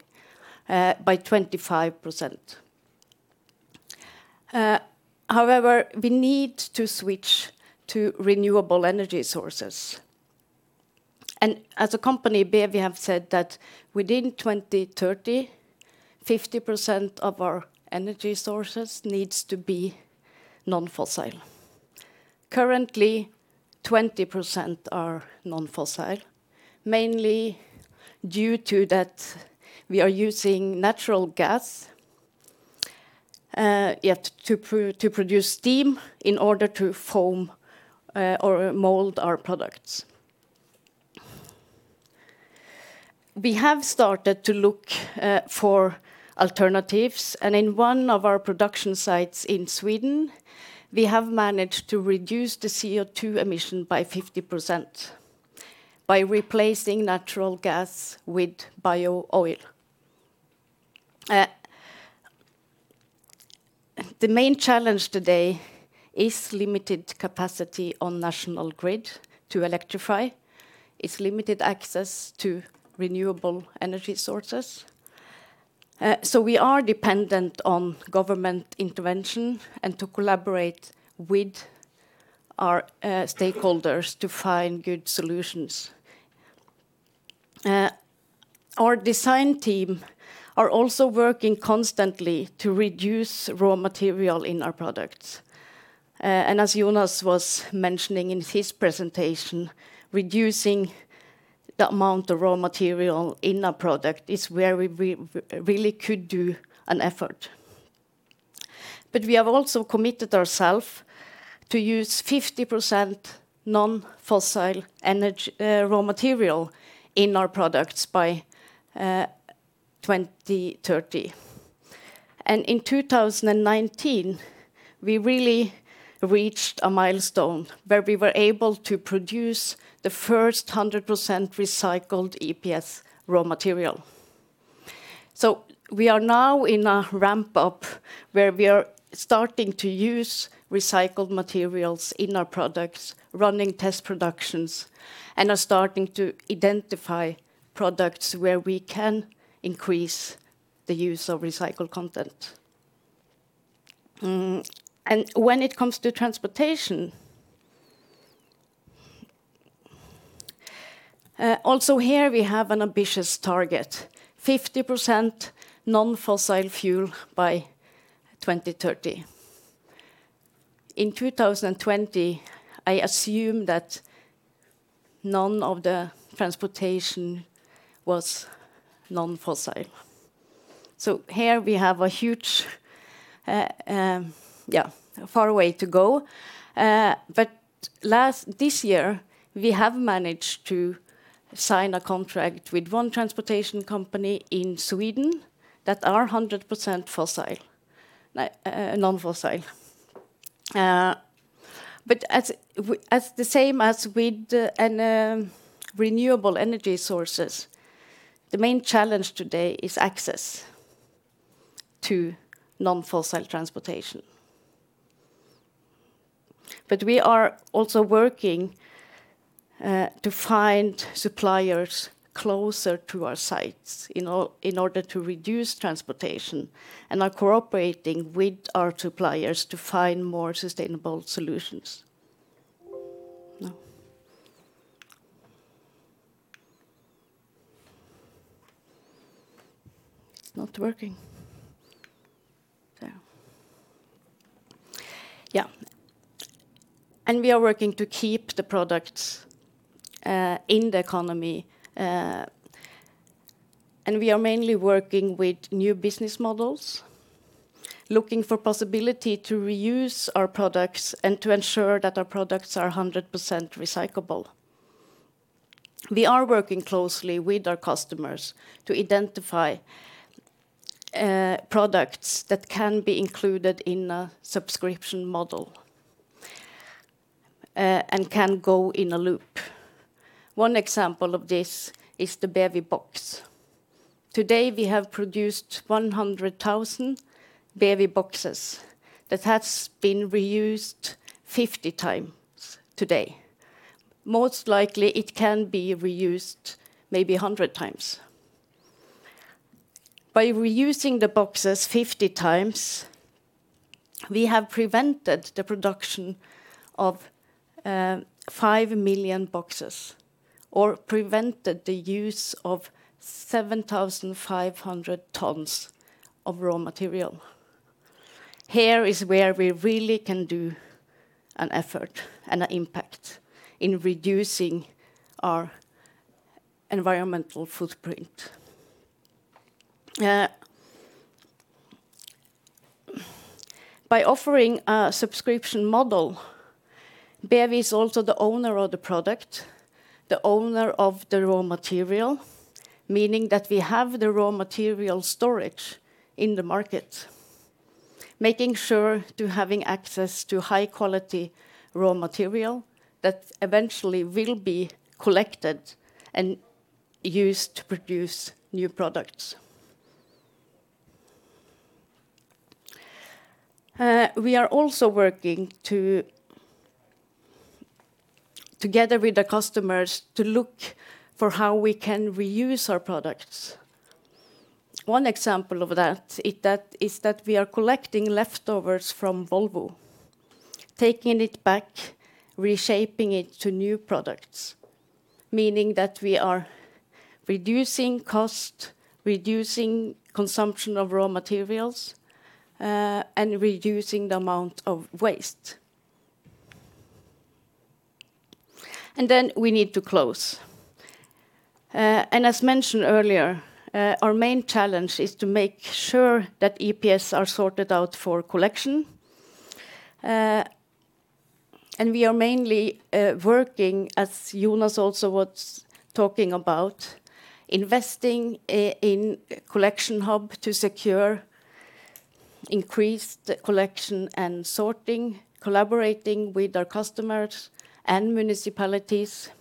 by 25%. We need to switch to renewable energy sources. As a company, BEWI have said that within 2030, 50% of our energy sources needs to be non-fossil. Currently, 20% are non-fossil, mainly due to that we are using natural gas to produce steam in order to foam or mold our products. We have started to look for alternatives, and in one of our production sites in Sweden, we have managed to reduce the CO2 emission by 50% by replacing natural gas with bio-oil. The main challenge today is limited capacity on national grid to electrify. It's limited access to renewable energy sources. We are dependent on government intervention and to collaborate with our stakeholders to find good solutions. Our design team are also working constantly to reduce raw material in our products. As Jonas was mentioning in his presentation, reducing the amount of raw material in our product is where we really could do an effort. We have also committed ourselves to use 50% non-fossil raw material in our products by 2030. In 2019, we really reached a milestone where we were able to produce the first 100% recycled EPS raw material. We are now in a ramp-up where we are starting to use recycled materials in our products, running test productions, and are starting to identify products where we can increase the use of recycled content. When it comes to transportation, also here we have an ambitious target, 50% non-fossil fuel by 2030. In 2020, I assume that none of the transportation was non-fossil. Here we have a far way to go. This year we have managed to sign a contract with 1 transportation company in Sweden that are 100% non-fossil. The same as with the renewable energy sources, the main challenge today is access to non-fossil transportation. We are also working to find suppliers closer to our sites in order to reduce transportation and are cooperating with our suppliers to find more sustainable solutions. We are working to keep the products in the economy. We are mainly working with new business models, looking for possibility to reuse our products and to ensure that our products are 100% recyclable. We are working closely with our customers to identify products that can be included in a subscription model and can go in a loop. One example of this is the BEWI Box. Today, we have produced 100,000 BEWI boxes that has been reused 50 times today. Most likely it can be reused maybe 100 times. By reusing the boxes 50 times, we have prevented the production of five million boxes or prevented the use of 7,500 tons of raw material. Here is where we really can do an effort and an impact in reducing our environmental footprint. By offering a subscription model, BEWI is also the owner of the product, the owner of the raw material, meaning that we have the raw material storage in the market, making sure to having access to high-quality raw material that eventually will be collected and used to produce new products. We are also working together with the customers to look for how we can reuse our products. One example of that is that we are collecting leftovers from Volvo, taking it back, reshaping it to new products, meaning that we are reducing cost, reducing consumption of raw materials, and reducing the amount of waste, then we need to close. As mentioned earlier, our main challenge is to make sure that EPS are sorted out for collection. We are mainly working, as Jonas also was talking about, investing in collection hub to secure increased collection and sorting, collaborating with our customers and municipalities,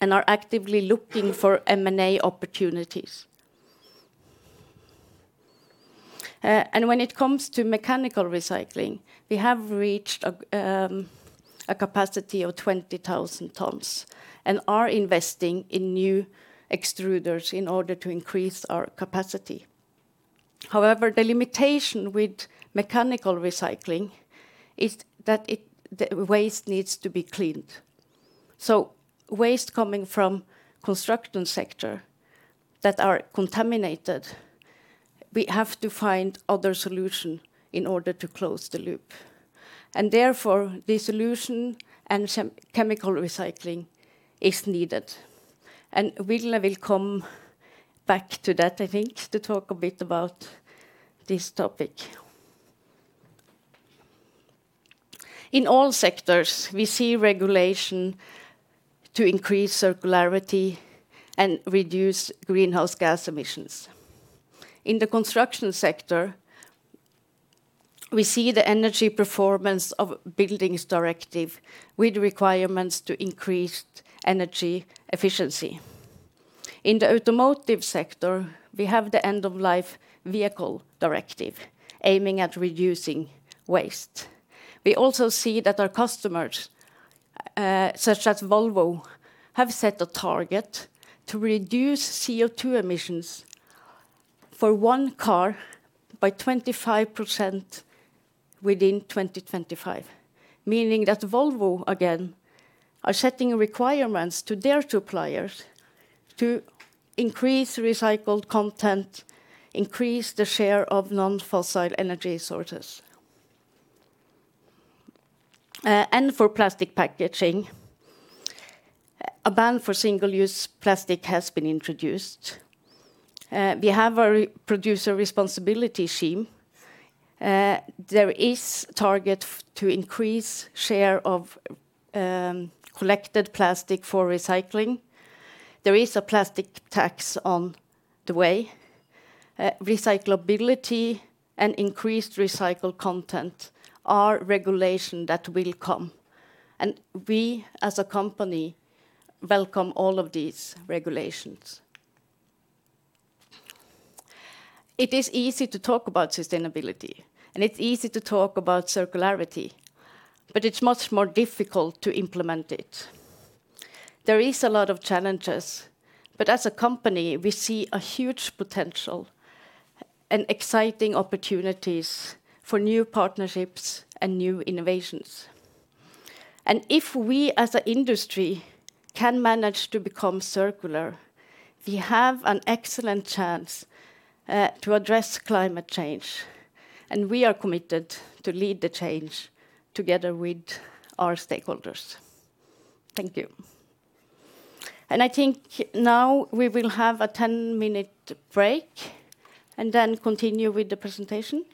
and are actively looking for M&A opportunities. When it comes to mechanical recycling, we have reached a capacity of 20,000 tons and are investing in new extruders in order to increase our capacity. However, the limitation with mechanical recycling is that the waste needs to be cleaned. Waste coming from construction sector that are contaminated, we have to find other solution in order to close the loop. Therefore the solution and chemical recycling is needed. Ville will come back to that, I think, to talk a bit about this topic. In all sectors, we see regulation to increase circularity and reduce greenhouse gas emissions. In the construction sector, we see the Energy Performance of Buildings Directive with requirements to increased energy efficiency. In the automotive sector, we have the End-of-Life Vehicles Directive aiming at reducing waste. We also see that our customers, such as Volvo, have set a target to reduce CO2 emissions for one car by 25% within 2025, meaning that Volvo, again, are setting requirements to their suppliers to increase recycled content, increase the share of non-fossil energy sources. For plastic packaging, a ban for single-use plastic has been introduced. We have our producer responsibility scheme. There is a target to increase share of collected plastic for recycling, there is a plastic tax on the way. Recyclability and increased recycled content are regulation that will come. We, as a company, welcome all of these regulations. It is easy to talk about sustainability, and it's easy to talk about circularity, but it's much more difficult to implement it. There is a lot of challenges, but as a company, we see a huge potential and exciting opportunities for new partnerships and new innovations. If we, as an industry, can manage to become circular, we have an excellent chance to address climate change, and we are committed to lead the change together with our stakeholders. Thank you. I think now we will have a 10-minute break and then continue with the presentation.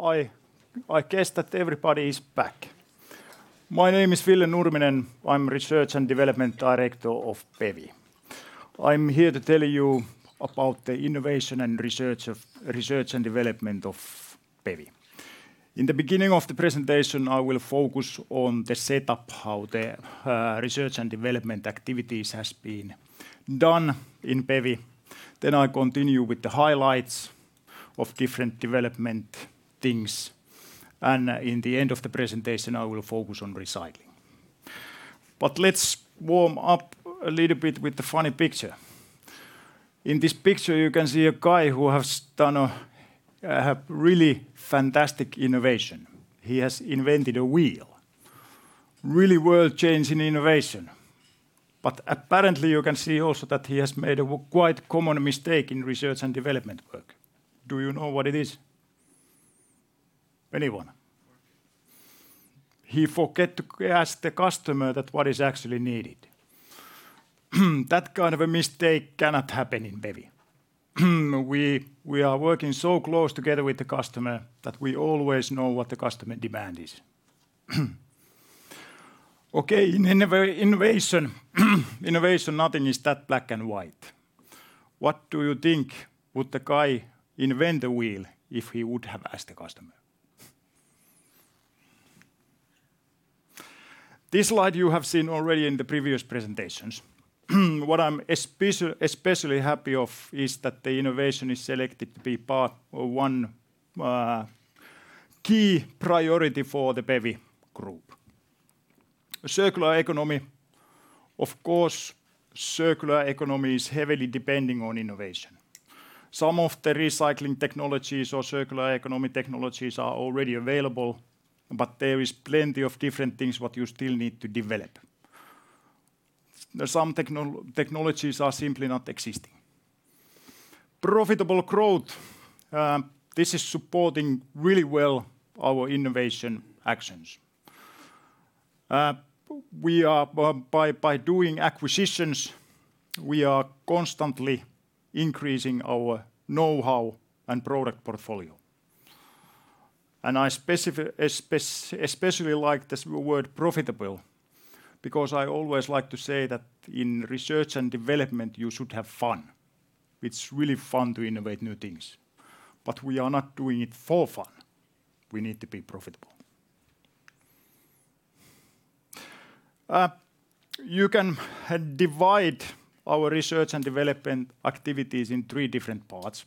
Yes. I guess that everybody is back. My name is Ville Nurminen. I am research and development director of BEWI. I am here to tell you about the innovation and research and development of BEWI. In the beginning of the presentation, I will focus on the setup, how the research and development activities has been done in BEWI, then I continue with the highlights of different development things. In the end of the presentation, I will focus on recycling. Let's warm up a little bit with a funny picture. In this picture, you can see a guy who has done a really fantastic innovation. He has invented a wheel. Really world-changing innovation, but apparently, you can see also that he has made a quite common mistake in research and development work. Do you know what it is? Anyone? He forget to ask the customer that what is actually needed. That kind of a mistake cannot happen in BEWI. We are working so close together with the customer that we always know what the customer demand is. In innovation nothing is that black and white. What do you think? Would the guy invent the wheel if he would have asked the customer? This slide you have seen already in the previous presentations. What I'm especially happy of is that the innovation is selected to be part of one key priority for the BEWI Group. Circular Economy, of course Circular Economy is heavily depending on innovation. Some of the recycling technologies or Circular Economy technologies are already available, but there is plenty of different things what you still need to develop. Some technologies are simply not existing. Profitable growth, this is supporting really well our innovation actions. By doing acquisitions, we are constantly increasing our knowhow and product portfolio. I especially like this word profitable, because I always like to say that in research and development, you should have fun. It's really fun to innovate new things but we are not doing it for fun, we need to be profitable. You can divide our research and development activities in three different parts.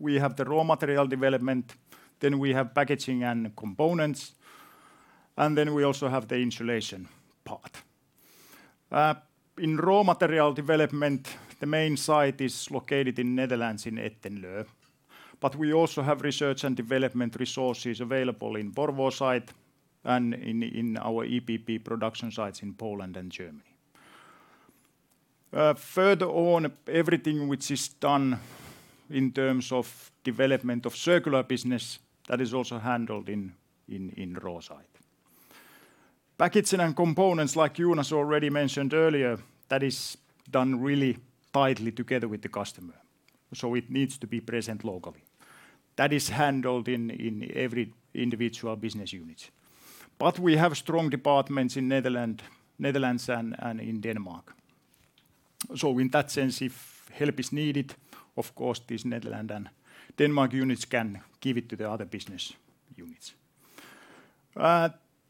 We have the raw material development, then we have packaging and components, and then we also have the insulation part. In raw material development, the main site is located in Netherlands in Etten-Leur, but we also have research and development resources available in Porvoo site and in our EPP production sites in Poland and Germany. Everything which is done in terms of development of circular business, that is also handled in R&D site. Packaging and components, like Jonas already mentioned earlier, that is done really tightly together with the customer, so it needs to be present locally. That is handled in every individual business unit. We have strong departments in Netherlands and in Denmark. In that sense, if help is needed, of course, these Netherlands and Denmark units can give it to the other business units.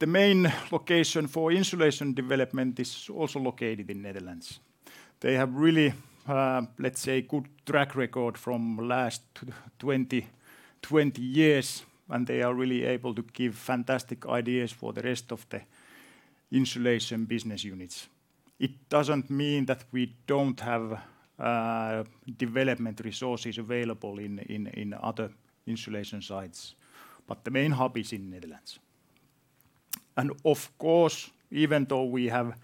The main location for insulation development is also located in Netherlands. They have really, let's say, good track record from last 20 years, and they are really able to give fantastic ideas for the rest of the insulation business units. It doesn't mean that we don't have development resources available in other insulation sites, but the main hub is in Netherlands. Of course, even though we have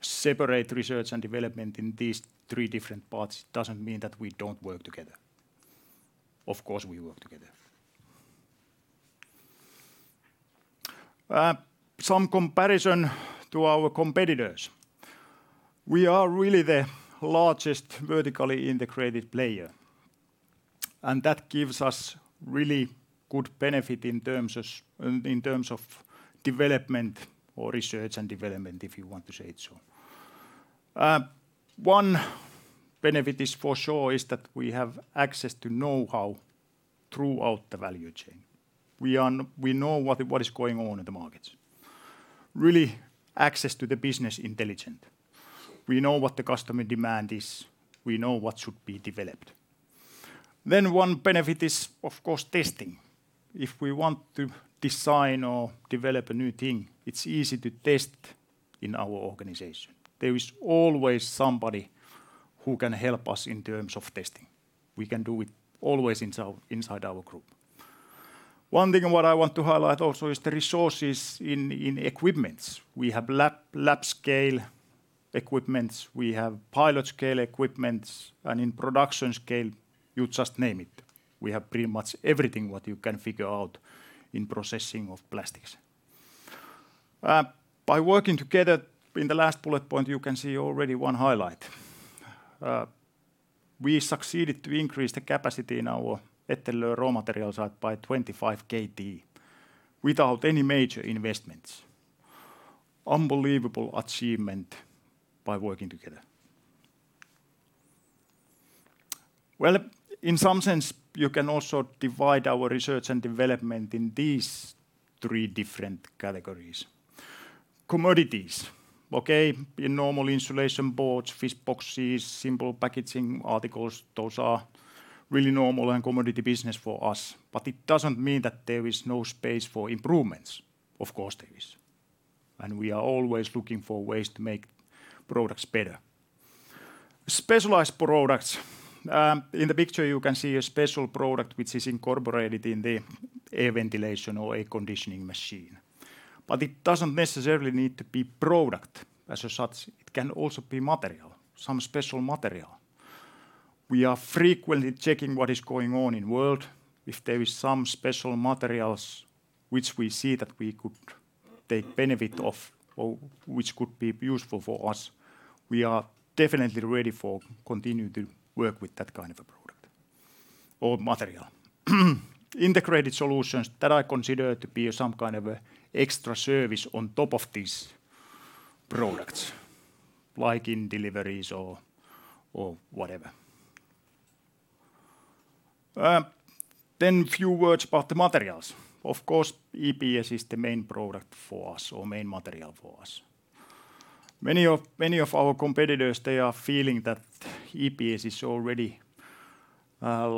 separate research and development in these three different parts, it doesn't mean that we don't work together. Of course, we work together. Some comparison to our competitors. We are really the largest vertically integrated player, and that gives us really good benefit in terms of development or research and development, if you want to say it so. One benefit is for sure that we have access to know-how throughout the value chain. We know what is going on in the markets. Really access to the business intelligence. We know what the customer demand is, we know what should be developed. One benefit is, of course, testing. If we want to design or develop a new thing, it's easy to test in our organization. There is always somebody who can help us in terms of testing. We can do it always inside our group. One thing what I want to highlight also is the resources in equipment. We have lab scale equipments, we have pilot scale equipments, in production scale, you just name it. We have pretty much everything what you can figure out in processing of plastics. By working together in the last bullet point, you can see already one highlight. We succeeded to increase the capacity in our Etten-Leur raw material site by 25 KT without any major investments. Unbelievable achievement by working together. Well, in some sense, you can also divide our research and development in these three different categories. Commodities. Okay, in normal insulation boards, fish boxes, simple packaging articles, those are really normal and commodity business for us. It doesn't mean that there is no space for improvements. Of course, there is, and we are always looking for ways to make products better. Specialized products. In the picture you can see a special product which is incorporated in the air ventilation or air conditioning machine. It doesn't necessarily need to be product as such. It can also be material, some special material. We are frequently checking what is going on in the world. If there is some special materials which we see that we could take benefit of or which could be useful for us, we are definitely ready to continue to work with that kind of a product or material. Integrated solutions, that I consider to be some kind of extra service on top of these products, like in deliveries or whatever. In few words about the materials, of course, EPS is the main product for us or main material for us. Many of our competitors, they are feeling that EPS is already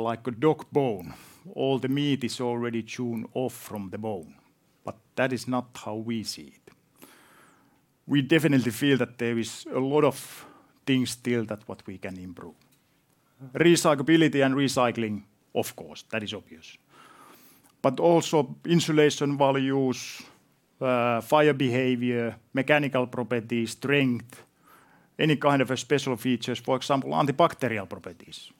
like a dog bone. All the meat is already chewed off from the bone, but that is not how we see it. We definitely feel that there is a lot of things still that what we can improve. Recyclability and recycling, of course, that is obvious. Also insulation values, fire behavior, mechanical properties, strength, any kind of special features, for example, antibacterial properties.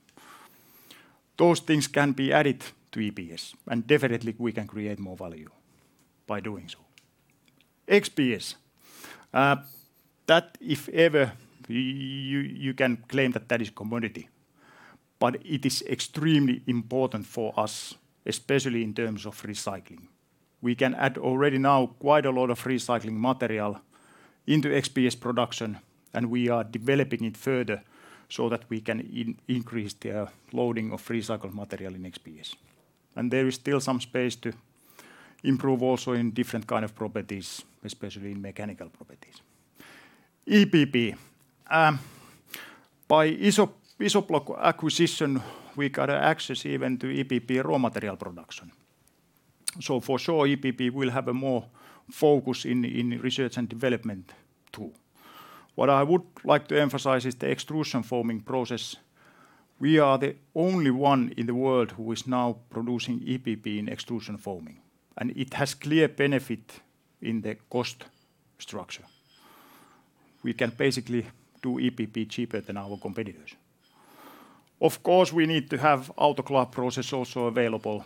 Those things can be added to EPS, and definitely we can create more value by doing so. XPS, that, if ever, you can claim that that is commodity, but it is extremely important for us, especially in terms of recycling. We can add already now quite a lot of recycling material into XPS production, and we are developing it further so that we can increase the loading of recycled material in XPS. There is still some space to improve also in different kind of properties, especially in mechanical properties. EPP. By IZOBLOK acquisition, we got access even to EPP raw material production. For sure, EPP will have a more focus in research and development, too. What I would like to emphasize is the extrusion foaming process. We are the only one in the world who is now producing EPP in extrusion foaming, and it has clear benefit in the cost structure. We can basically do EPP cheaper than our competitors. Of course, we need to have autoclave process also available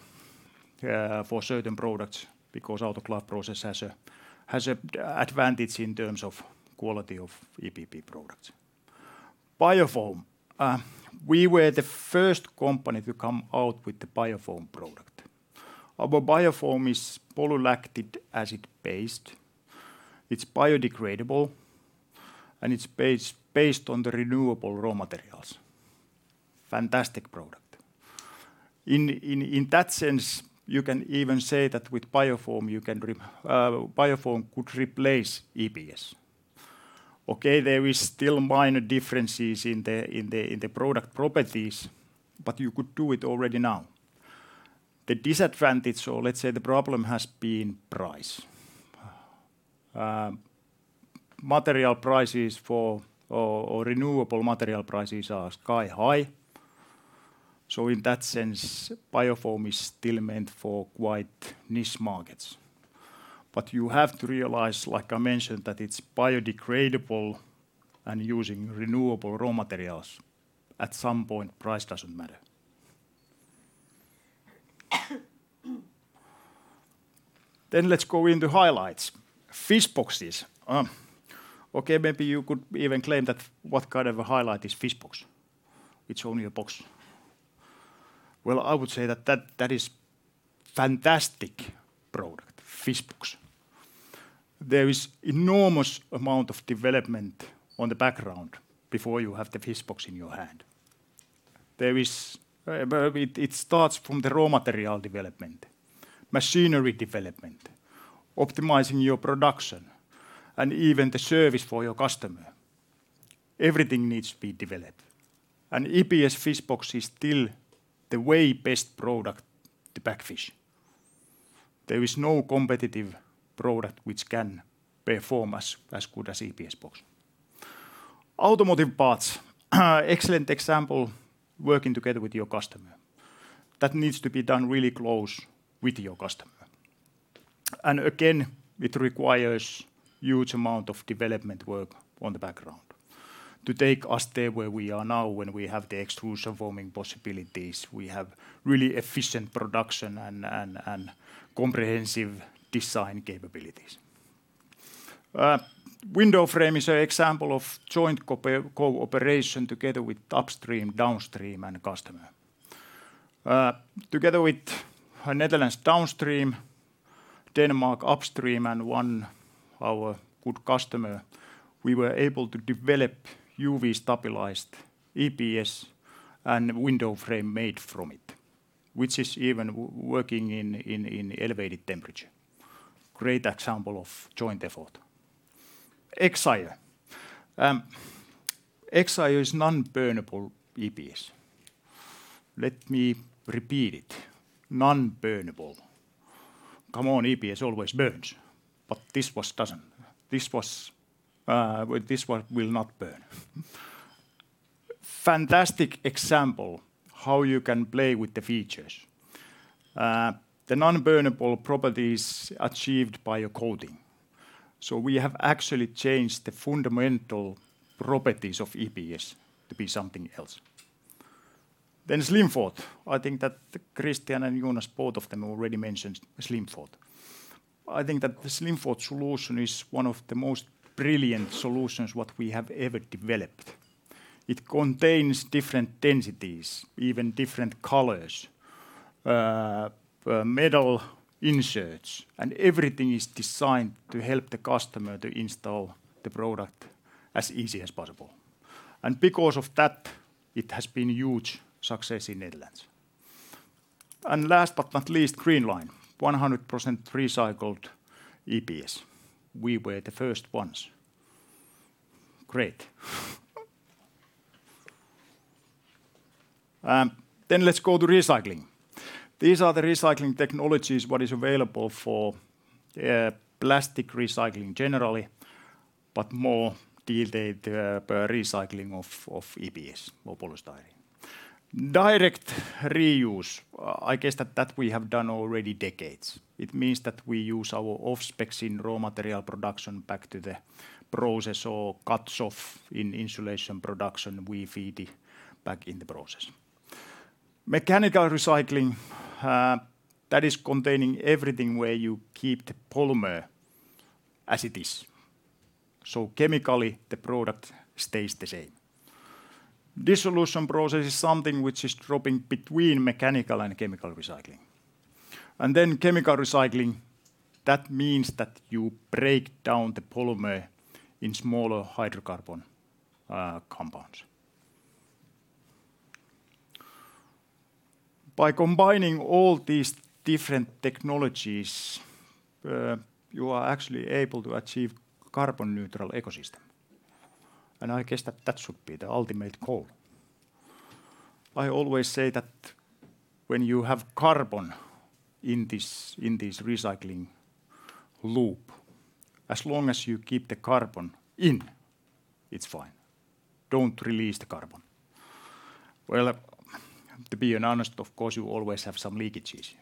for certain products because autoclave process has a advantage in terms of quality of EPP products. BioFoam. We were the first company to come out with the BioFoam product. Our BioFoam is polylactic acid based, it's biodegradable, and it's based on the renewable raw materials. Fantastic product. In that sense, you can even say that BioFoam could replace EPS. There is still minor differences in the product properties, but you could do it already now. The disadvantage, or let's say the problem, has been price. Material prices for, or renewable material prices are sky high. In that sense, BioFoam is still meant for quite niche markets, but you have to realize, like I mentioned, that it's biodegradable and using renewable raw materials. At some point, price doesn't matter. Let's go into highlights. Fish boxes. Maybe you could even claim that what kind of a highlight is fish box? It's only a box. Well, I would say that is fantastic product, fish box. There is enormous amount of development on the background before you have the fish box in your hand. It starts from the raw material development, machinery development, optimizing your production, and even the service for your customer. Everything needs to be developed. An EPS fish box is still the way best product to pack fish. There is no competitive product which can perform as good as EPS box. Automotive parts. Excellent example working together with your customer. That needs to be done really close with your customer. Again, it requires huge amount of development work on the background to take us there where we are now when we have the extrusion foaming possibilities. We have really efficient production and comprehensive design capabilities. Window frame is an example of joint cooperation together with upstream, downstream, and customer. Together with Netherlands downstream, Denmark upstream, and one our good customer, we were able to develop UV-stabilized EPS and window frame made from it, which is even working in elevated temperature. Great example of joint effort. Xire. Xire is non-burnable EPS. Let me repeat it. Non-burnable. Come on, EPS always burns. This one doesn't. This one will not burn. Fantastic example how you can play with the features. The non-burnable properties achieved by a coating. We have actually changed the fundamental properties of EPS to be something else. SlimFort. I think that Christian and Jonas, both of them already mentioned SlimFort. I think that the SlimFort solution is one of the most brilliant solutions what we have ever developed. It contains different densities, even different colors, metal inserts, and everything is designed to help the customer to install the product as easy as possible. Because of that, it has been huge success in Netherlands. Last but not least, GreenLine, 100% recycled EPS. We were the first ones. Great. Let's go to recycling. These are the recycling technologies what is available for plastic recycling generally, but more detailed, recycling of EPS or polystyrene. Direct reuse, I guess that we have done already decades. It means that we use our off-specs in raw material production back to the process or cuts off in insulation production, we feed it back in the process. Mechanical recycling, that is containing everything where you keep the polymer as it is. Chemically, the product stays the same. Dissolution process is something which is dropping between mechanical and chemical recycling. Chemical recycling, that means that you break down the polymer in smaller hydrocarbon compounds. By combining all these different technologies, you are actually able to achieve carbon neutral ecosystem. I guess that should be the ultimate goal. I always say that when you have carbon in this recycling loop, as long as you keep the carbon in, it's fine. Don't release the carbon. Well, to be honest, of course, you always have some leakages.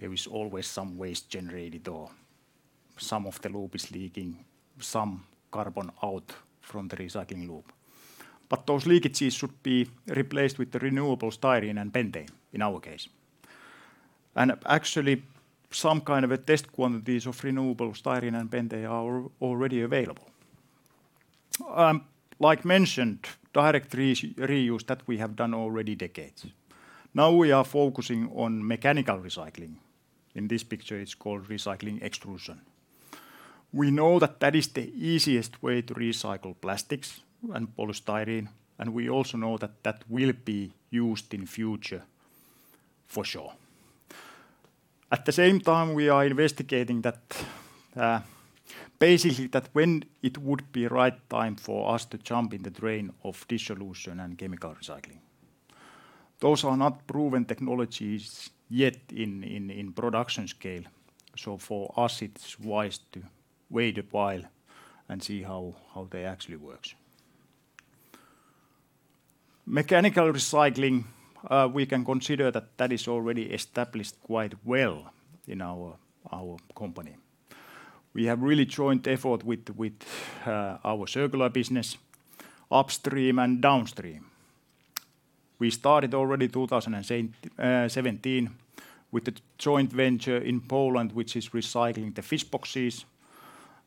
There is always some waste generated or some of the loop is leaking some carbon out from the recycling loop. Those leakages should be replaced with the renewable styrene and pentane in our case. Actually, some kind of a test quantities of renewable styrene and pentane are already available. Like mentioned, direct reuse, that we have done already decades. Now we are focusing on mechanical recycling. In this picture, it's called recycling extrusion. We know that is the easiest way to recycle plastics and polystyrene, and we also know that will be used in future for sure. At the same time, we are investigating that, basically that when it would be right time for us to jump in the train of dissolution and chemical recycling. Those are not proven technologies yet in production scale. For us, it's wise to wait a while and see how they actually work. Mechanical recycling, we can consider that is already established quite well in our company. We have really joint effort with our Circular business, upstream and downstream. We started already 2017 with a joint venture in Poland, which is recycling the fish boxes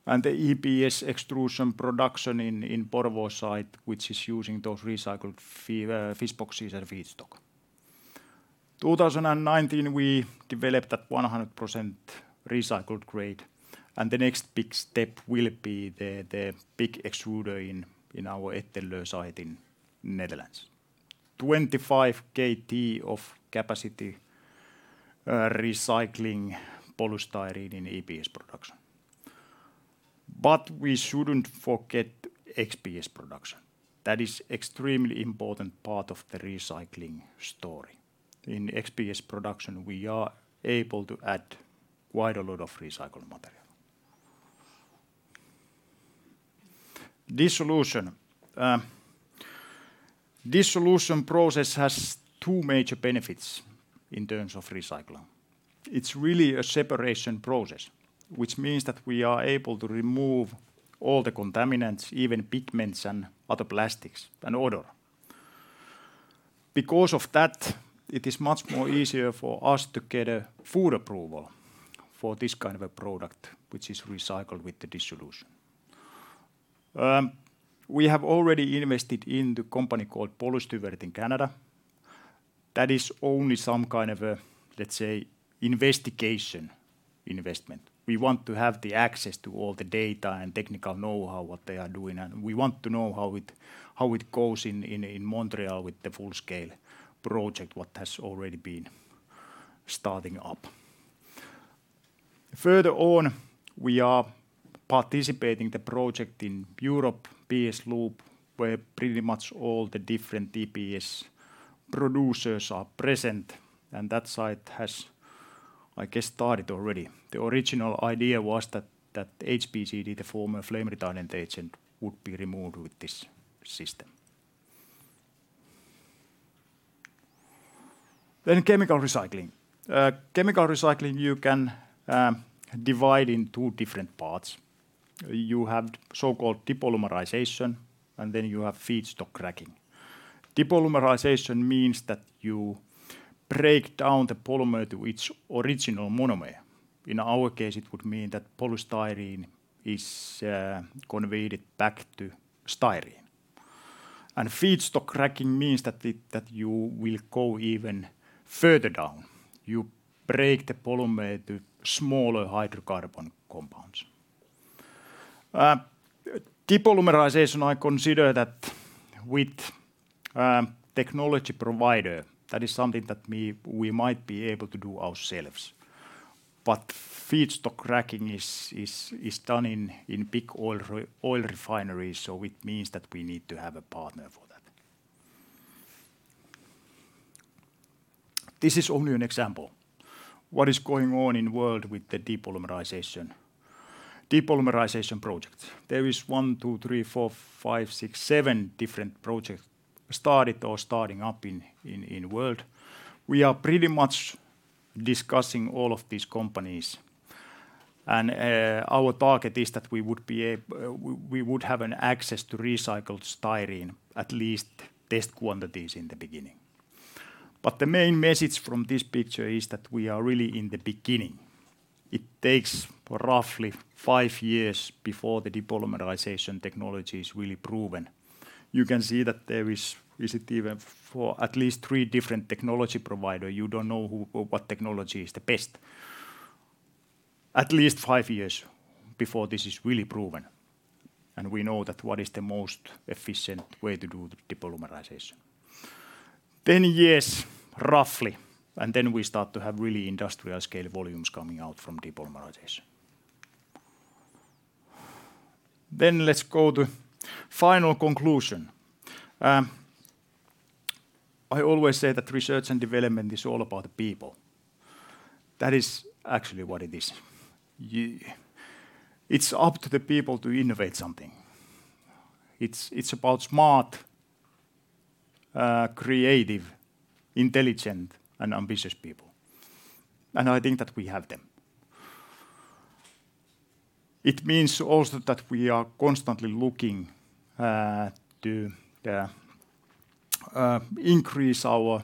and the EPS extrusion production in Porvoo site, which is using those recycled fish boxes as feedstock. 2019, we developed that 100% recycled grade, and the next big step will be the big extruder in our Etten-Leur site in Netherlands. 25 Kt of capacity, recycling polystyrene in EPS production. We shouldn't forget XPS production. That is extremely important part of the recycling story. In XPS production, we are able to add quite a lot of recycled material. Dissolution. Dissolution process has two major benefits in terms of recycling. It's really a separation process, which means that we are able to remove all the contaminants, even pigments and other plastics and odor. Because of that, it is much more easier for us to get a food approval for this kind of a product, which is recycled with the dissolution. We have already invested in the company called Polystyvert in Canada. That is only some kind of a, let's say, investigation investment. We want to have the access to all the data and technical knowhow, what they are doing, and we want to know how it goes in Montreal with the full-scale project what has already been starting up. Further on, we are participating the project in Europe, PS Loop, where pretty much all the different EPS producers are present, and that site has, I guess, started already. The original idea was that HBCD, the former flame retardant agent, would be removed with this system. Chemical recycling. Chemical recycling, you can divide in two different parts. You have so-called depolymerization, and then you have feedstock cracking. Depolymerization means that you break down the polymer to its original monomer. In our case, it would mean that polystyrene is converted back to styrene. Feedstock cracking means that you will go even further down, you break the polymer to smaller hydrocarbon compounds. Depolymerization, I consider that with technology provider, that is something that we might be able to do ourselves. Feedstock cracking is done in big oil refineries, so it means that we need to have a partner for that. This is only an example. What is going on in world with the depolymerization project? There is one, two, three, four, five, six, seven different projects started or starting up in world. We are pretty much discussing all of these companies. Our target is that we would have an access to recycled styrene, at least test quantities in the beginning. The main message from this picture is that we are really in the beginning. It takes roughly five years before the depolymerization technology is really proven. You can see that there is it even for at least three different technology provider, you don't know what technology is the best. At least five years before this is really proven, and we know that what is the most efficient way to do depolymerization. 10 years, roughly, we start to have really industrial scale volumes coming out from depolymerization. Let's go to final conclusion. I always say that research and development is all about the people. That is actually what it is. It's up to the people to innovate something. It's about smart, creative, intelligent, and ambitious people. I think that we have them. It means also that we are constantly looking to increase our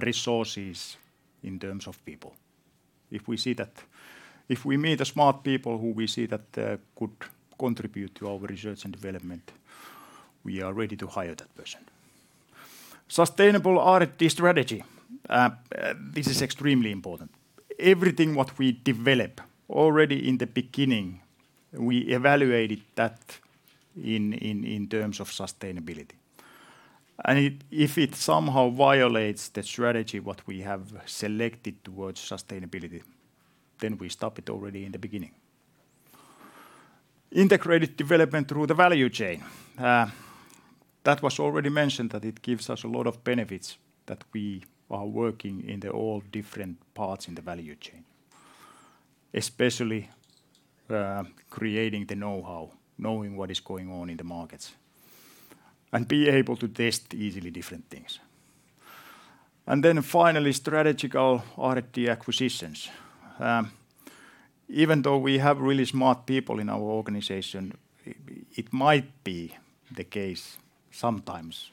resources in terms of people. If we meet a smart people who we see that could contribute to our research and development, we are ready to hire that person. Sustainable R&D strategy. This is extremely important. Everything what we develop, already in the beginning, we evaluated that in terms of sustainability. If it somehow violates the strategy, what we have selected towards sustainability, then we stop it already in the beginning. Integrated development through the value chain. That was already mentioned that it gives us a lot of benefits that we are working in the all different parts in the value chain, especially creating the know-how, knowing what is going on in the markets, and be able to test easily different things. Finally, strategical R&D acquisitions. Even though we have really smart people in our organization, it might be the case sometimes,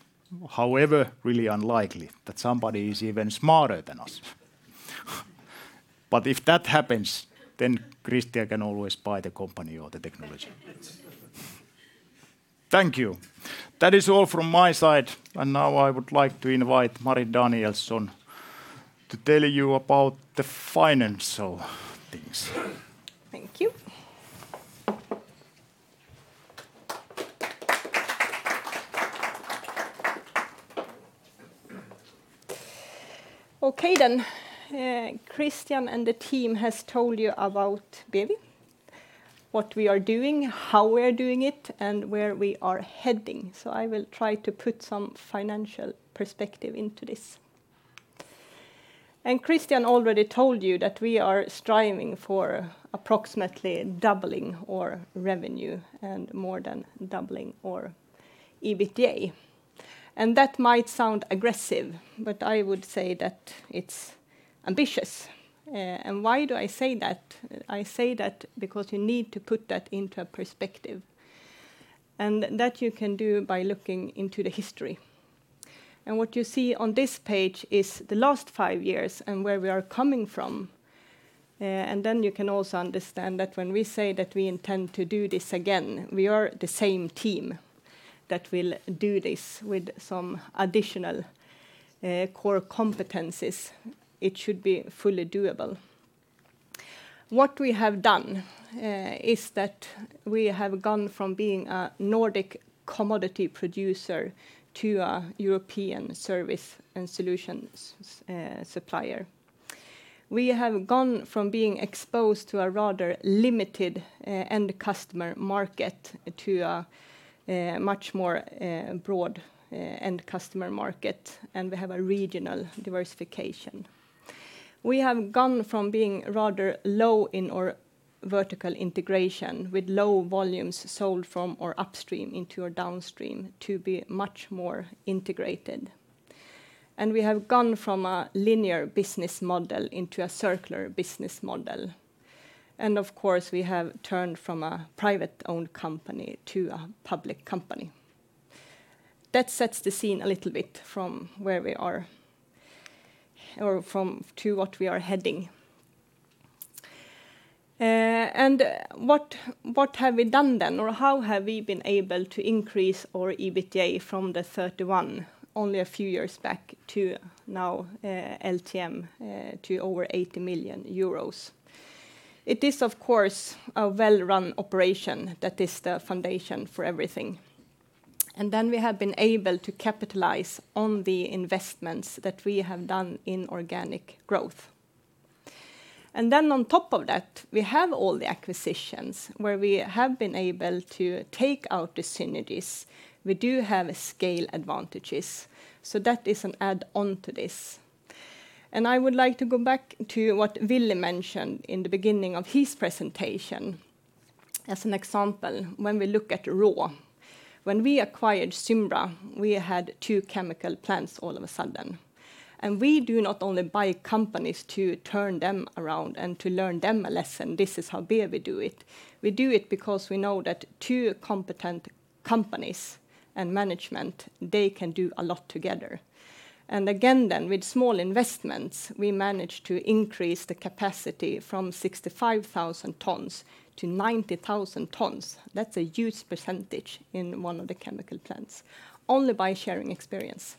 however, really unlikely, that somebody is even smarter than us. If that happens, Christian can always buy the company or the technology. Thank you. That is all from my side. I would like to invite Marie Danielsson to tell you about the financial things. Thank you. Okay. Christian and the team has told you about BEWI, what we are doing, how we are doing it, and where we are heading. I will try to put some financial perspective into this. Christian already told you that we are striving for approximately doubling our revenue and more than doubling our EBITDA. That might sound aggressive, but I would say that it's ambitious. Why do I say that? I say that because you need to put that into a perspective. That you can do by looking into the history. What you see on this page is the last five years and where we are coming from. You can also understand that when we say that we intend to do this again, we are the same team that will do this with some additional core competencies. It should be fully doable. What we have done is that we have gone from being a Nordic commodity producer to a European service and solutions supplier. We have gone from being exposed to a rather limited end customer market to a much more broad end customer market and have a regional diversification. We have gone from being rather low in our vertical integration with low volumes sold from our upstream into our downstream to be much more integrated. We have gone from a linear business model into a circular business model. Of course, we have turned from a private-owned company to a public company. That sets the scene a little bit from where we are or to what we are heading. What have we done then? How have we been able to increase our EBITDA from the 31 only a few years back to now, LTM to over 80 million euros? It is, of course, a well-run operation that is the foundation for everything. We have been able to capitalize on the investments that we have made in organic growth. On top of that, we have all the acquisitions where we have been able to take out the synergies. We do have scale advantages. That is an add-on to this. I would like to go back to what Ville mentioned at the beginning of his presentation as an example, when we look at raw. When we acquired Synbra, we had two chemical plants all of a sudden. We do not only buy companies to turn them around and to learn them a lesson, this is how BEWI do it. We do it because we know that two competent companies and management, they can do a lot together. Again, with small investments, we managed to increase the capacity from 65,000 tons to 90,000 tons. That's a huge percentage in one of the chemical plants, only by sharing experience.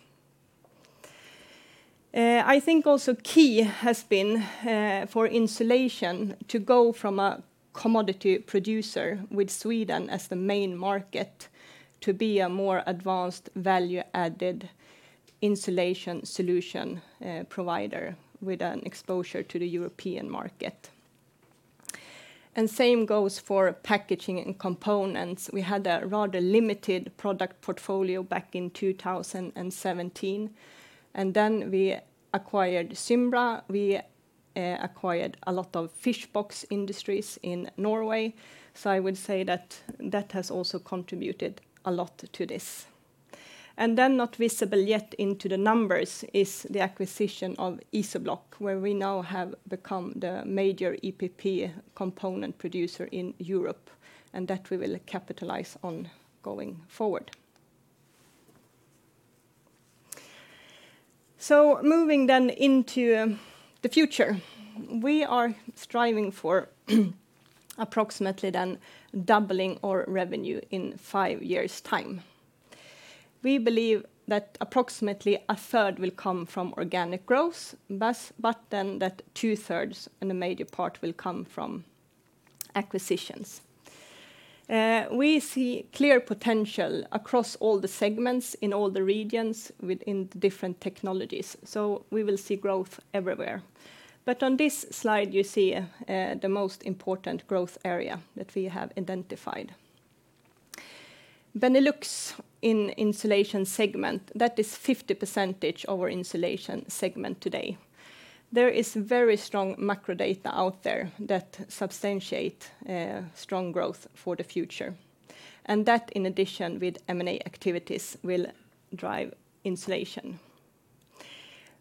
I think also key has been for insulation to go from a commodity producer with Sweden as the main market to be a more advanced value-added insulation solution provider with an exposure to the European market. The same goes for packaging and components. We had a rather limited product portfolio back in 2017, and then we acquired Synbra. We acquired a lot of Fish Box industries in Norway. I would say that that has also contributed a lot to this. Not visible yet into the numbers is the acquisition of IZOBLOK, where we now have become the major EPP component producer in Europe, and that we will capitalize on going forward. Moving into the future, we are striving for approximately doubling our revenue in five years' time. We believe that approximately 1/3 will come from organic growth, that 2/3 and a major part will come from acquisitions. We see clear potential across all the segments in all the regions within the different technologies. We will see growth everywhere. On this slide, you see the most important growth area that we have identified. Benelux in insulation segment, that is 50% of our insulation segment today. There is very strong macro data out there that substantiates strong growth for the future. That in addition with M&A activities will drive insulation.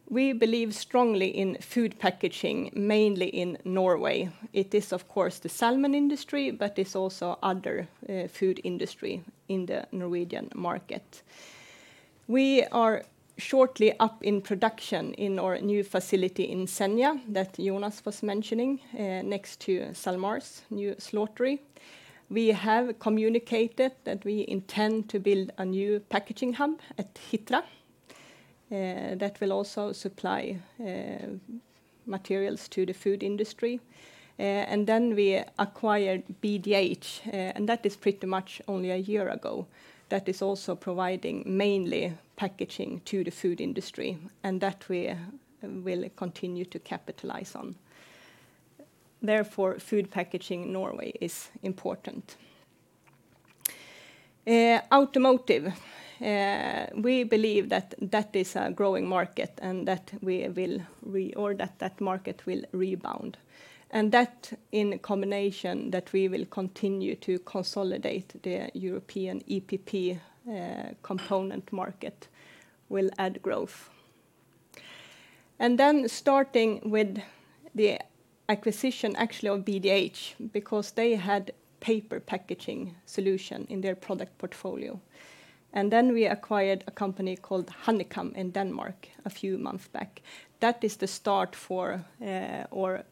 We believe strongly in food packaging, mainly in Norway. It is, of course, the salmon industry, but it's also other food industry in the Norwegian market. We are shortly up in production in our new facility in Senja that Jonas was mentioning next to SalMar's new slaughtering. We have communicated that we intend to build a new packaging hub at Hitra that will also supply materials to the food industry. Then we acquired BDH and that is pretty much only a year ago. That is also providing mainly packaging to the food industry and that we will continue to capitalize on, therefore food packaging in Norway is important. Automotive. We believe that that is a growing market and that that market will rebound. That in combination that we will continue to consolidate the European EPP component market will add growth. Starting with the acquisition actually of BDH because they had paper packaging solution in their product portfolio. We acquired a company called Honeycomb in Denmark a few months back. That is the start for our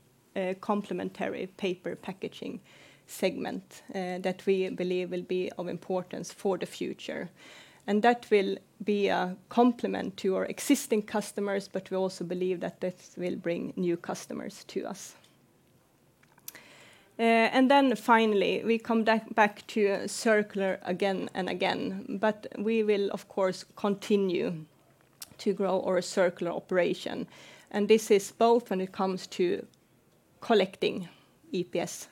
complementary paper packaging segment that we believe will be of importance for the future. That will be a complement to our existing customers, but we also believe that this will bring new customers to us. Finally, we come back to circular again and again, but we will of course continue to grow our circular operation. This is both when it comes to collecting EPS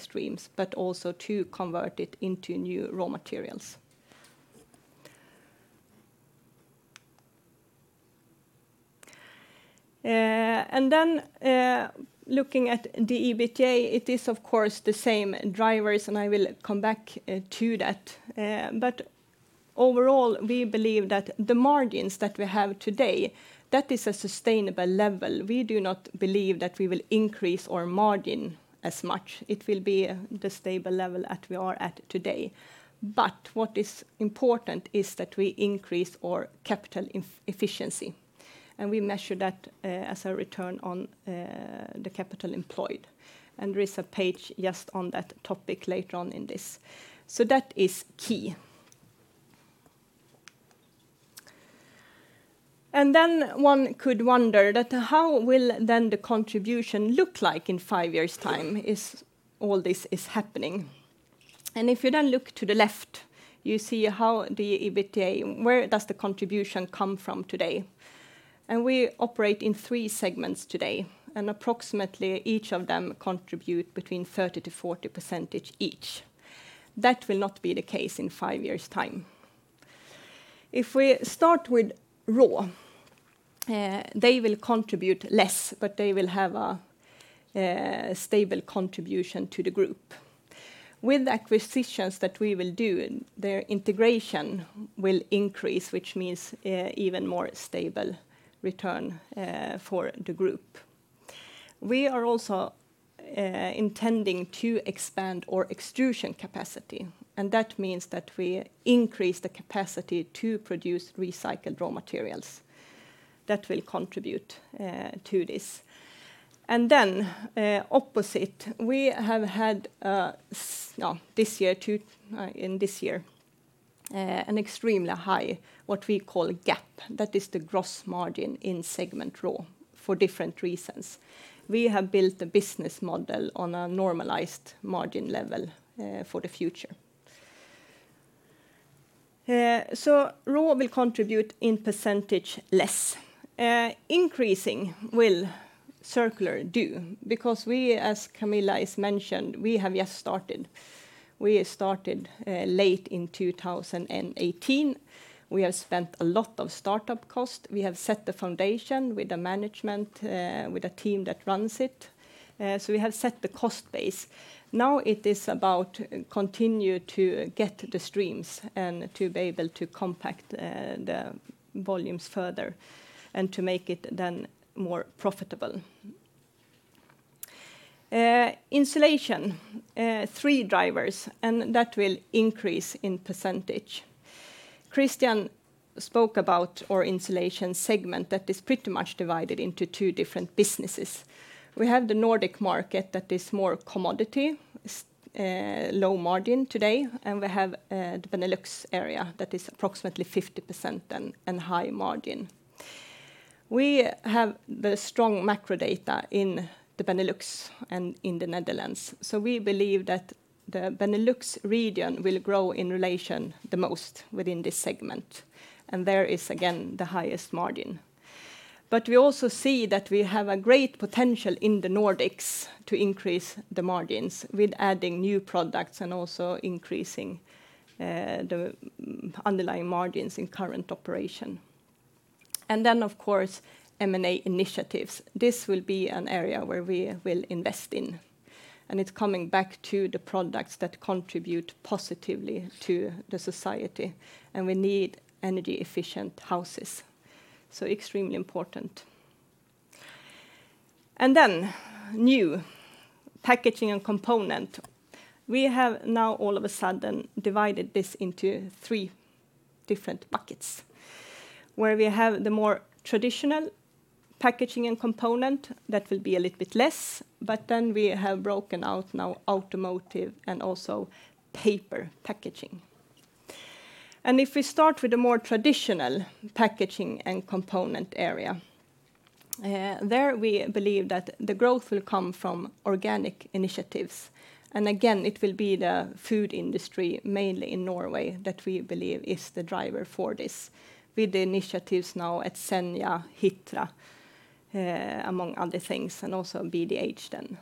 streams, but also to convert it into new raw materials. Then looking at the EBITDA, it is of course the same drivers, and I will come back to that. Overall, we believe that the margins that we have today, that is a sustainable level. We do not believe that we will increase our margin as much. It will be the stable level that we are at today but what is important is that we increase our capital efficiency, and we measure that as a return on the capital employed. There is a page just on that topic later on in this. That is key. One could wonder that how will then the contribution look like in five years time if all this is happening? If you then look to the left, you see how the EBITDA, where does the contribution come from today? We operate in three segments today, approximately each of them contribute between 30%-40% each. That will not be the case in five years time. If we start with Raw, they will contribute less, but they will have a stable contribution to the group. With acquisitions that we will do, their integration will increase, which means even more stable return for the group. We are also intending to expand our extrusion capacity, that means that we increase the capacity to produce recycled raw materials. That will contribute to this. Then opposite, we have had in this year an extremely high, what we call gap. That is the gross margin in segment Raw for different reasons. We have built a business model on a normalized margin level for the future. Raw will contribute in percentage less. Increasing will Circular do, because we, as Camilla has mentioned, we have just started. We started late in 2018. We have spent a lot of startup cost. We have set the foundation with the management, with a team that runs it. It is about continue to get the streams and to be able to compact the volumes further and to make it then more profitable. Insulation, three drivers, and that will increase in percentage. Christian spoke about our Insulation Segment that is pretty much divided into two different businesses. We have the Nordic market that is more commodity, low margin today, and we have the Benelux area that is approximately 50% then and high margin. We have the strong macro data in the Benelux and in the Netherlands. We believe that the Benelux region will grow in relation the most within this segment. There is again, the highest margin. We also see that we have a great potential in the Nordics to increase the margins with adding new products and also increasing the underlying margins in current operation. Then of course, M&A initiatives. This will be an area where we will invest in, and it's coming back to the products that contribute positively to the society. We need energy efficient houses, so extremely important. New: packaging and component. We have now all of a sudden divided this into thre different buckets, where we have the more traditional packaging and component that will be a little bit less. We have broken out now automotive and also paper packaging. If we start with the more traditional packaging and component area, there we believe that the growth will come from organic initiatives. Again, it will be the food industry mainly in Norway that we believe is the driver for this with the initiatives now at Senja, Hitra among other things, and also BDH then.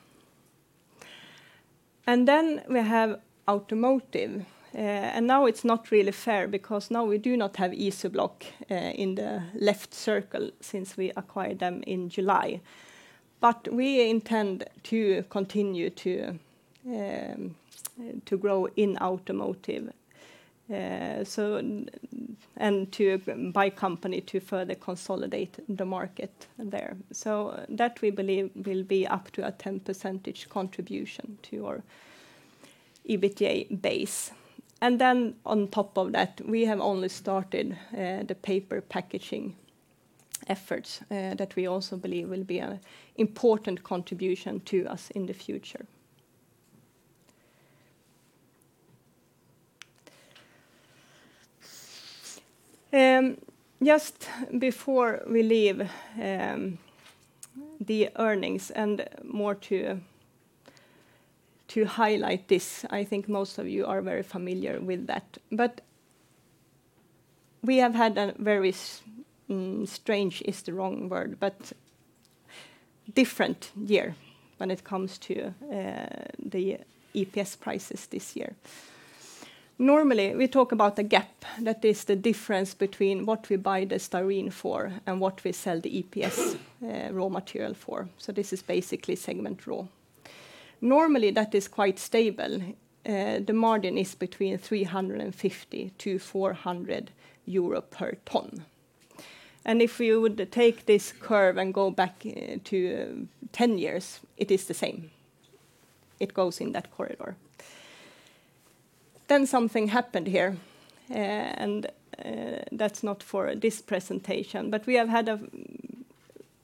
Then we have automotive. Now it's not really fair because now we do not have IZOBLOK in the left circle since we acquired them in July. We intend to continue to grow in automotive and to buy company to further consolidate the market there. That we believe will be up to a 10% contribution to our EBITDA base. On top of that, we have only started the paper packaging efforts that we also believe will be an important contribution to us in the future. Just before we leave the earnings and more to highlight this, I think most of you are very familiar with that. We have had a very, strange is the wrong word, different year when it comes to the EPS prices this year. Normally, we talk about the gap that is the difference between what we buy the styrene for and what we sell the EPS raw material for. This is basically segment Raw. Normally, that is quite stable. The margin is between 350-400 euro per ton. If you would take this curve and go back to 10 years, it is the same. It goes in that corridor. Something happened here, and that's not for this presentation, but we have had an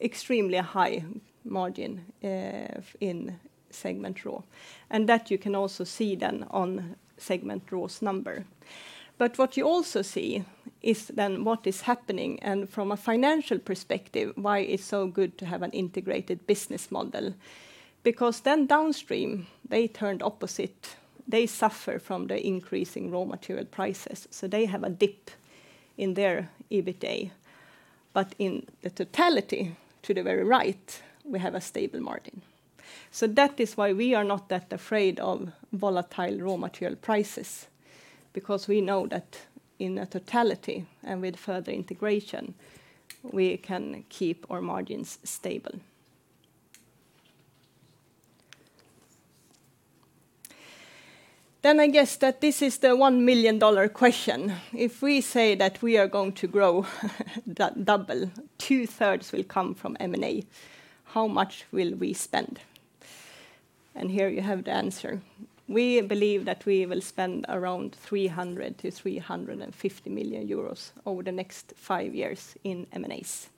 extremely high margin in segment Raw, and that you can also see then on segment Raw's number. What you also see is then what is happening and from a financial perspective, why it's so good to have an integrated business model because then downstream, they turned opposite. They suffer from the increasing raw material prices, so they have a dip in their EBITDA. In the totality to the very right, we have a stable margin. That is why we are not that afraid of volatile raw material prices because we know that in a totality and with further integration, we can keep our margins stable. I guess that this is the one million dollar question. If we say that we are going to grow double, two-thirds will come from M&A, how much will we spend? Here you have the answer. We believe that we will spend around 300 million-350 million euros over the next five years in M&As.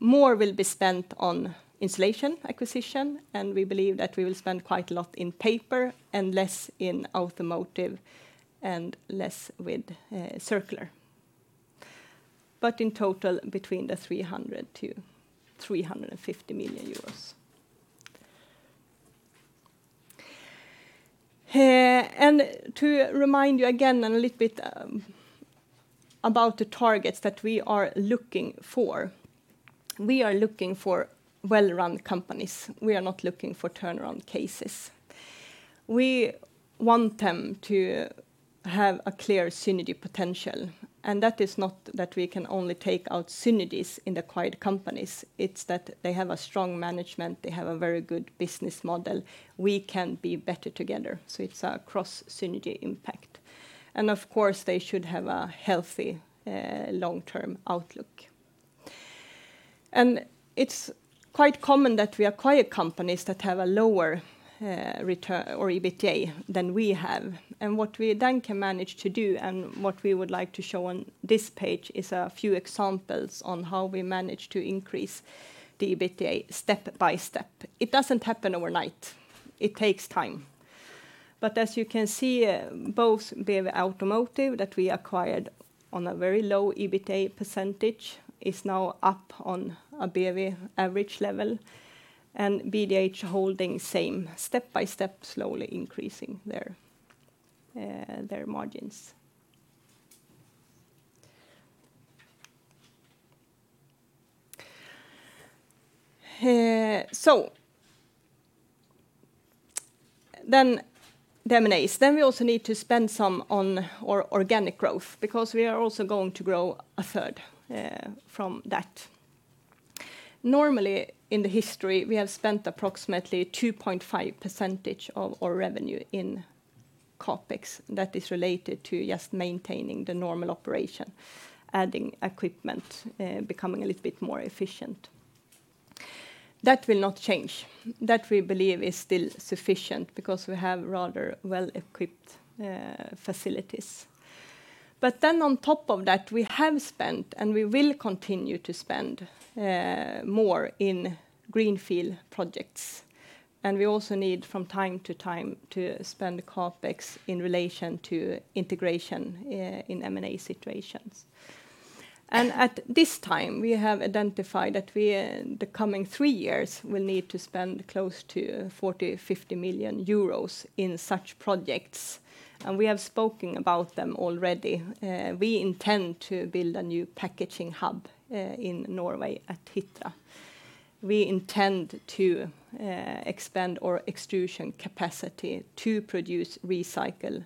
More will be spent on insulation acquisition, and we believe that we will spend quite a lot in paper and less in automotive and less with circular. In total, between the 300 million-350 million euros. To remind you again and a little bit about the targets that we are looking for, we are looking for well-run companies. We are not looking for turnaround cases. We want them to have a clear synergy potential. That is not that we can only take out synergies in the acquired companies, it's that they have a strong management, they have a very good business model. We can be better together. It's a cross-synergy impact. Of course, they should have a healthy, long-term outlook. It's quite common that we acquire companies that have a lower return or EBITDA than we have. What we then can manage to do and what we would like to show on this page is a few examples on how we manage to increase the EBITDA step by step. It doesn't happen overnight. It takes time. As you can see, both BEWI Automotive that we acquired on a very low EBITDA % is now up on a BEWI average level, and BDH Holding same, step by step, slowly increasing their margins. The M&As. We also need to spend some on our organic growth because we are also going to grow a third from that. Normally, in the history, we have spent approximately 2.5% of our revenue in CapEx that is related to just maintaining the normal operation, adding equipment, becoming a little bit more efficient. That will not change. That we believe is still sufficient because we have rather well-equipped facilities. On top of that, we have spent, and we will continue to spend more in greenfield projects, and we also need from time to time to spend CapEx in relation to integration in M&A situations. At this time, we have identified that we in the coming three years will need to spend close to 40 million-50 million euros in such projects. We have spoken about them already. We intend to build a new packaging hub in Norway at Hitra. We intend to expand our extrusion capacity to produce recycled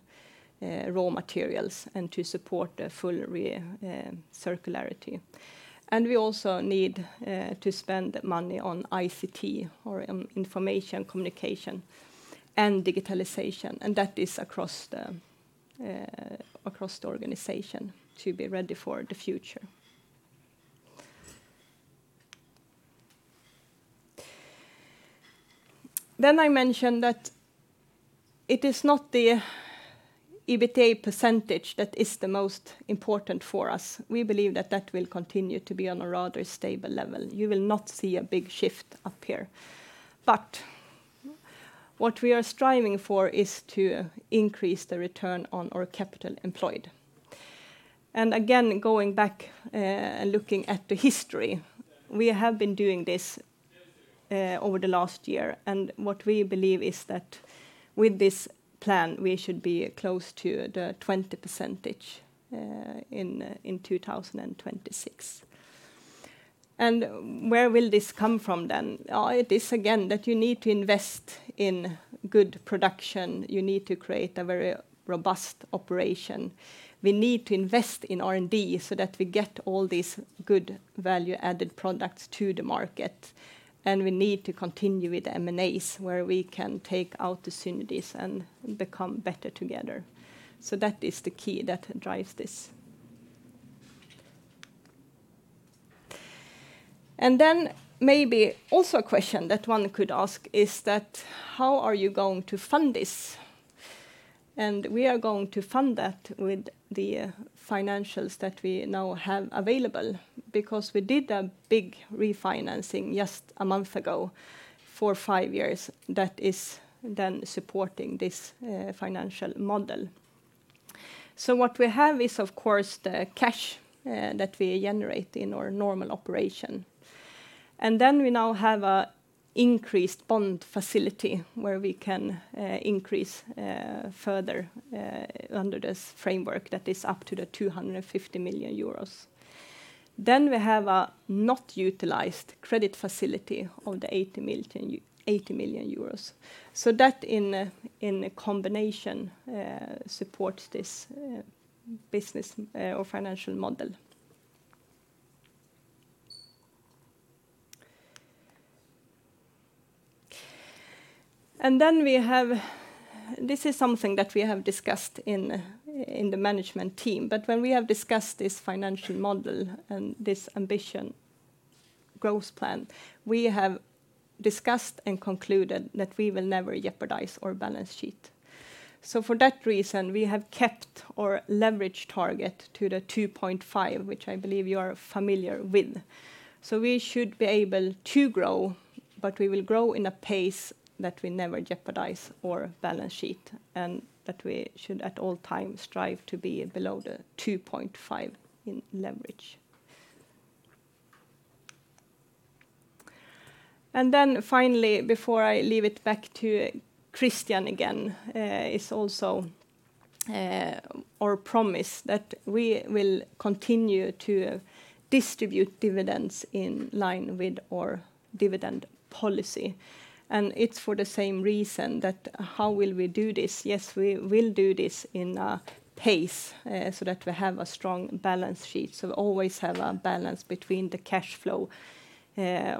raw materials and to support the full circularity. We also need to spend money on ICT or on information communication and digitalization, and that is across the organization to be ready for the future. I mentioned that it is not the EBITDA percentage that is the most important for us. We believe that that will continue to be on a rather stable level. You will not see a big shift up here. What we are striving for is to increase the return on our capital employed. Again, going back and looking at the history, we have been doing this over the last year. What we believe is that with this plan, we should be close to 20% in 2026. Where will this come from then? It is, again, that you need to invest in good production, you need to create a very robust operation. We need to invest in R&D so that we get all these good value-added products to the market, and we need to continue with M&As, where we can take out the synergies and become better together. That is the key that drives this. Maybe also a question that one could ask is that, how are you going to fund this? We are going to fund that with the financials that we now have available, because we did a big refinancing just a month ago for five years, that is then supporting this financial model. What we have is, of course, the cash that we generate in our normal operation. We now have an increased bond facility where we can increase further under this framework that is up to the 250 million euros. We have a not utilized credit facility of the 80 million euros. That in combination supports this business or financial model. This is something that we have discussed in the management team, but when we have discussed this financial model and this ambition growth plan, we have discussed and concluded that we will never jeopardize our balance sheet. For that reason, we have kept our leverage target to the 2.5, which I believe you are familiar with. We should be able to grow, but we will grow in a pace that we never jeopardize our balance sheet and that we should at all times strive to be below the 2.5 in leverage. Finally, before I leave it back to Christian again, is also our promise that we will continue to distribute dividends in line with our dividend policy. It's for the same reason that how will we do this? Yes, we will do this in a pace, so that we have a strong balance sheet. Always have a balance between the cash flow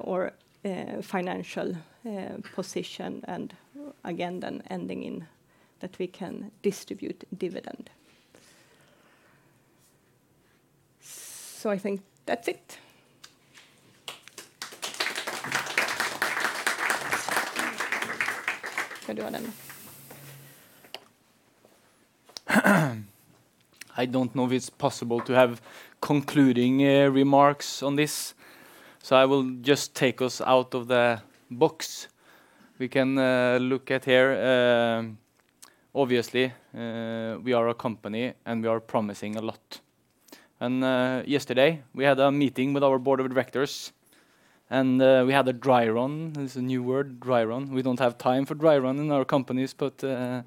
or financial position and again, then ending in that we can distribute dividend. I think that's it. I don't know if it's possible to have concluding remarks on this, I will just take us out of the box. We can look at here, obviously, we are a company and we are promising a lot. Yesterday we had a meeting with our Board of Directors, and we had a dry run. This is a new word, dry run. We don't have time for dry run in our companies, in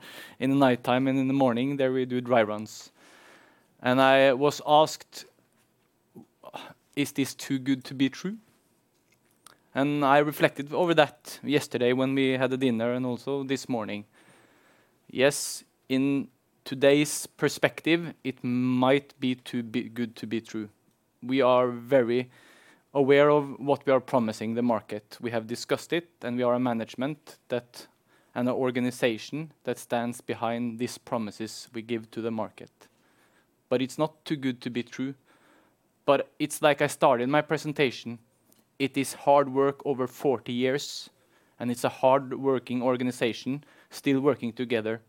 the nighttime and in the morning there we do dry runs. I was asked, "Is this too good to be true?" I reflected over that yesterday when we had a dinner and also this morning. Yes, in today's perspective, it might be too good to be true. We are very aware of what we are promising the market. We have discussed it. We are a management and an organization that stands behind these promises we give to the market. It's not too good to be true. It's like I started my presentation. It is hard work over 40 years. It's a hardworking organization still working together.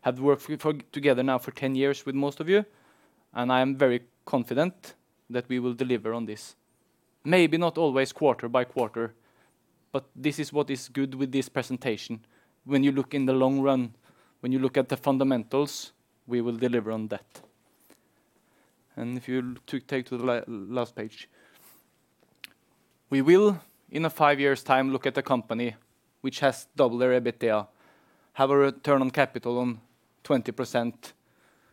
Have worked together now for 10 years with most of you. I am very confident that we will deliver on this. Maybe not always quarter by quarter. This is what is good with this presentation. When you look in the long run, when you look at the fundamentals, we will deliver on that. If you take to the last page. We will, in a five years time, look at a company which has doubled their EBITDA, have a return on capital on 20%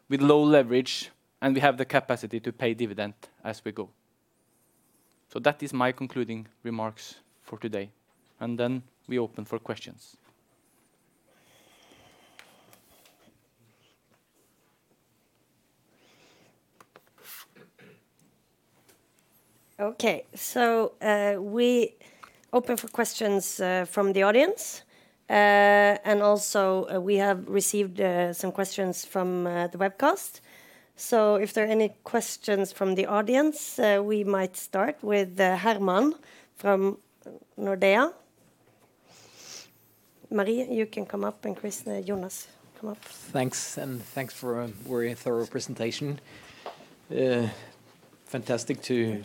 with low leverage. We have the capacity to pay dividend as we go. That is my concluding remarks for today. We open for questions. Okay. We open for questions from the audience. Also, we have received some questions from the webcast. If there are any questions from the audience, we might start with Herman from Nordea. Marie, you can come up, and Jonas, come up. Thanks, thanks for a very thorough presentation. Fantastic to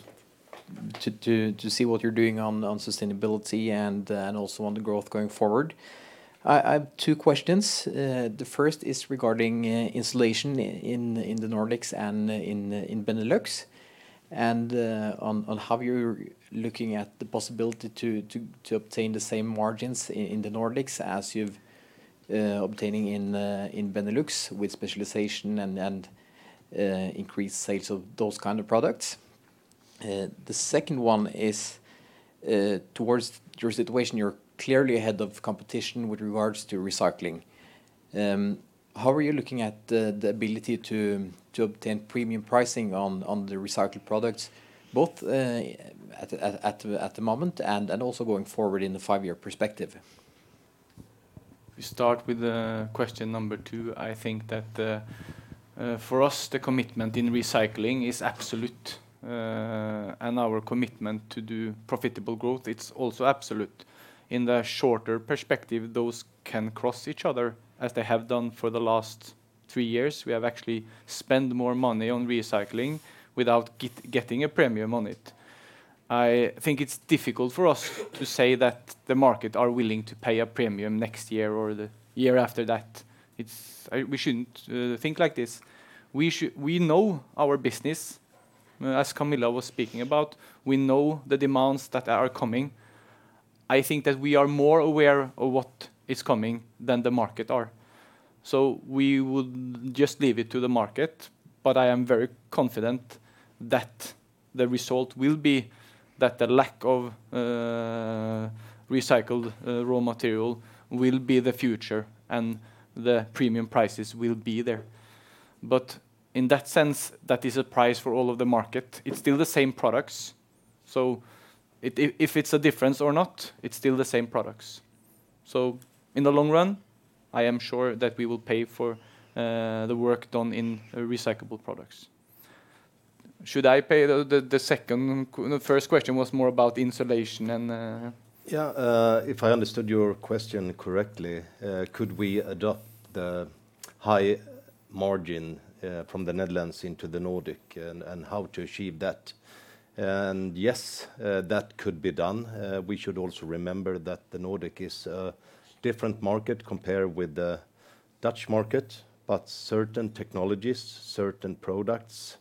see what you're doing on sustainability and also on the growth going forward. I have two questions. The first is regarding insulation in the Nordics and in Benelux and on how you're looking at the possibility to obtain the same margins in the Nordics as you've obtaining in Benelux with specialization and increased sales of those kind of products. The second one is towards your situation, you're clearly ahead of competition with regards to recycling. How are you looking at the ability to obtain premium pricing on the recycled products, both at the moment and also going forward in the five-year perspective? We start with question number two. I think that for us, the commitment in recycling is absolute, and our commitment to do profitable growth, it's also absolute. In the shorter perspective, those can cross each other as they have done for the last three years. We have actually spent more money on recycling without getting a premium on it. I think it's difficult for us to say that the market are willing to pay a premium next year or the year after that. We shouldn't think like this. We know our business, as Camilla was speaking about. We know the demands that are coming. I think that we are more aware of what is coming than the market are. We would just leave it to the market, but I am very confident that the result will be that the lack of recycled raw material will be the future, and the premium prices will be there. In that sense, that is a price for all of the market. It's still the same products. If it's a difference or not, it's still the same products. In the long run, I am sure that we will pay for the work done in recyclable products. The first question was more about insulation and.. Yeah. If I understood your question correctly, could we adopt the high margin from the Netherlands into the Nordic and how to achieve that? Yes, that could be done. We should also remember that the Nordic is a different market compared with the Dutch market, but certain technologies, certain products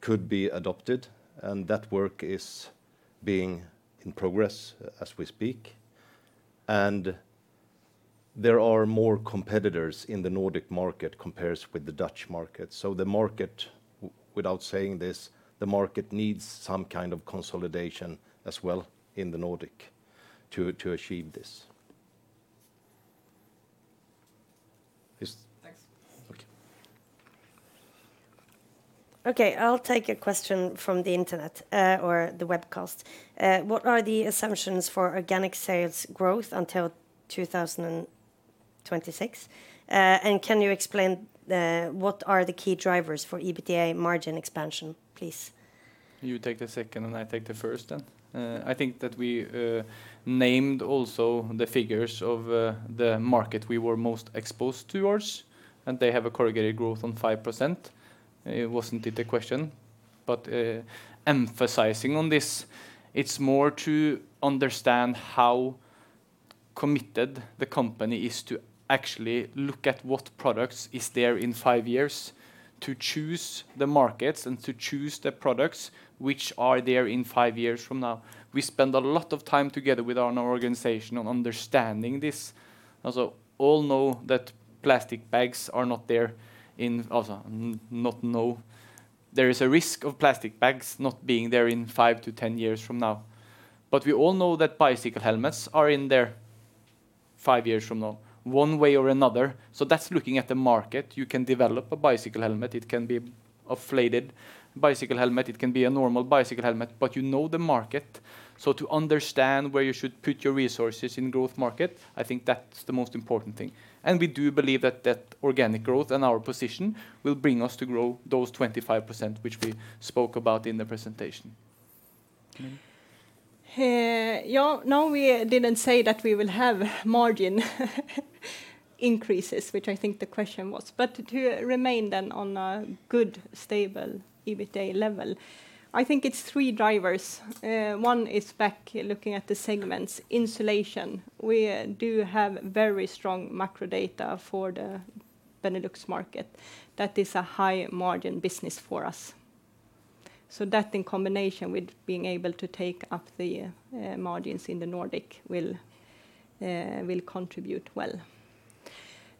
could be adopted, and that work is being in progress as we speak. There are more competitors in the Nordic market compared with the Dutch market. The market, without saying this, the market needs some kind of consolidation as well in the Nordic to achieve this. Thanks. Okay. Okay, I'll take a question from the internet or the webcast. What are the assumptions for organic sales growth until 2026? Can you explain what are the key drivers for EBITDA margin expansion, please? You take the second and I take the first then? I think that we named also the figures of the market we were most exposed towards, and they have a compounded growth on 5%. Wasn't it a question? Emphasizing on this, it's more to understand how committed the company is to actually look at what products is there in five years to choose the markets and to choose the products which are there in five years from now. We spend a lot of time together with our organization on understanding this. There is a risk of plastic bags not being there in 5-10 years from now. We all know that bicycle helmets are in there five years from now, one way or another. That's looking at the market. You can develop a bicycle helmet. It can be inflated bicycle helmet. It can be a normal bicycle helmet, but you know the market. To understand where you should put your resources in growth market, I think that's the most important thing. We do believe that that organic growth and our position will bring us to grow those 25%, which we spoke about in the presentation. Camilla? No, we didn't say that we will have margin increases, which I think the question was. To remain then on a good, stable EBITDA level, I think it's three drivers. One is back looking at the segments insulation. We do have very strong macro data for the Benelux market. That is a high margin business for us. That in combination with being able to take up the margins in the Nordic will contribute well.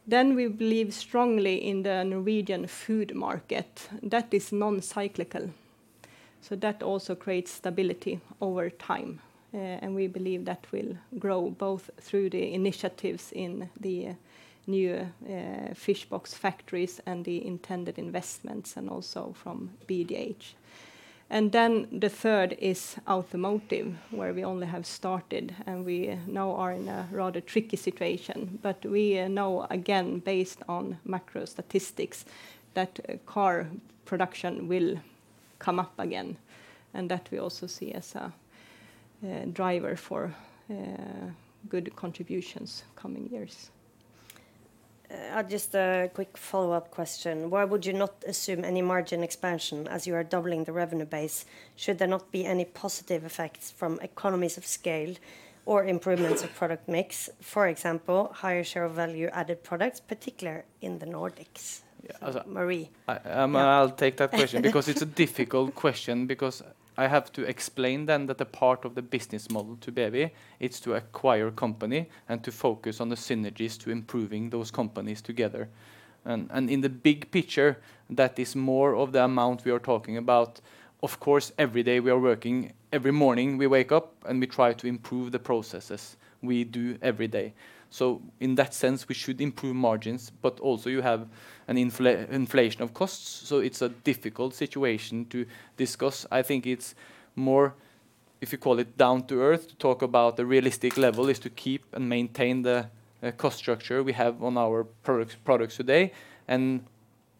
We believe strongly in the Norwegian food market. That is non-cyclical. That also creates stability over time. We believe that will grow both through the initiatives in the new Fish Box factories and the intended investments, and also from BDH. Then the third is Automotive, where we only have started, and we now are in a rather tricky situation. We know, again, based on macro statistics, that car production will come up again, and that we also see as a driver for good contributions coming years. Just a quick follow-up question. Why would you not assume any margin expansion as you are doubling the revenue base? Should there not be any positive effects from economies of scale or improvements of product mix? For example, higher share of value-added products, particularly in the Nordics. Yeah. Marie. I'll take that question because it's a difficult question because I have to explain then that the part of the business model to BEWI, it's to acquire company and to focus on the synergies to improving those companies together. In the big picture, that is more of the amount we are talking about. Of course, every day we are working, every morning we wake up and we try to improve the processes we do every day. In that sense, we should improve margins, but also you have an inflation of costs, so it's a difficult situation to discuss. I think it's more, if you call it down to earth, to talk about the realistic level is to keep and maintain the cost structure we have on our products today.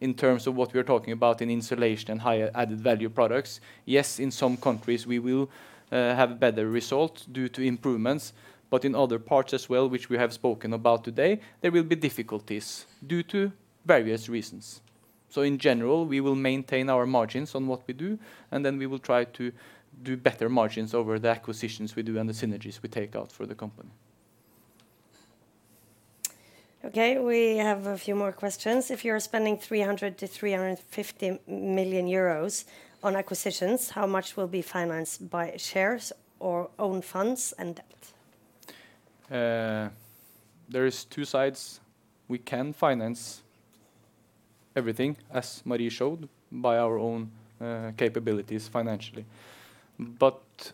In terms of what we are talking about in insulation and higher added value products, yes, in some countries we will have better results due to improvements, but in other parts as well, which we have spoken about today, there will be difficulties due to various reasons. In general, we will maintain our margins on what we do, and then we will try to do better margins over the acquisitions we do and the synergies we take out for the company. Okay, we have a few more questions. If you're spending 300 million-350 million euros on acquisitions, how much will be financed by shares or own funds and debt? There is two sides. We can finance everything, as Marie showed, by our own capabilities financially, but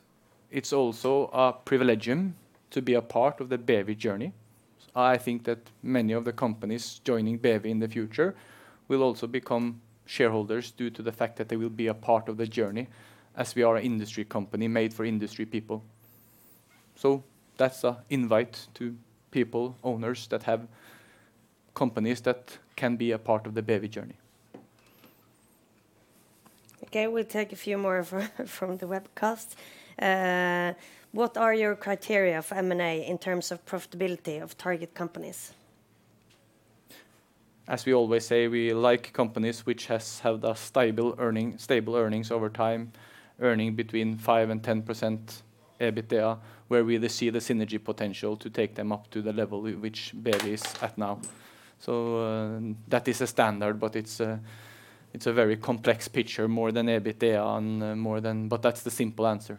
it's also a privilege to be a part of the BEWI journey. I think that many of the companies joining BEWI in the future will also become shareholders due to the fact that they will be a part of the journey as we are an industry company made for industry people. That's an invite to people, owners that have companies that can be a part of the BEWI journey. Okay, we'll take a few more from the webcast. What are your criteria for M&A in terms of profitability of target companies? As we always say, we like companies which have the stable earnings over time, earning between 5% and 10% EBITDA, where we see the synergy potential to take them up to the level which BEWI is at now. That is a standard, but it's a very complex picture, more than EBITDA, but that's the simple answer.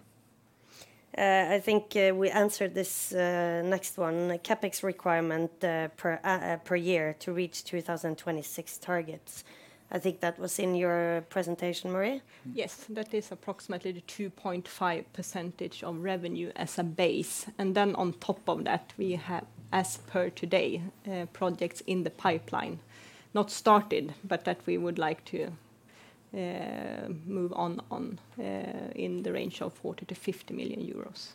I think we answered this next one, CapEx requirement per year to reach 2026 targets. I think that was in your presentation, Marie? Yes. That is approximately the 2.5% of revenue as a base. On top of that, we have, as per today, projects in the pipeline, not started, but that we would like to move on in the range of 40 million-50 million euros.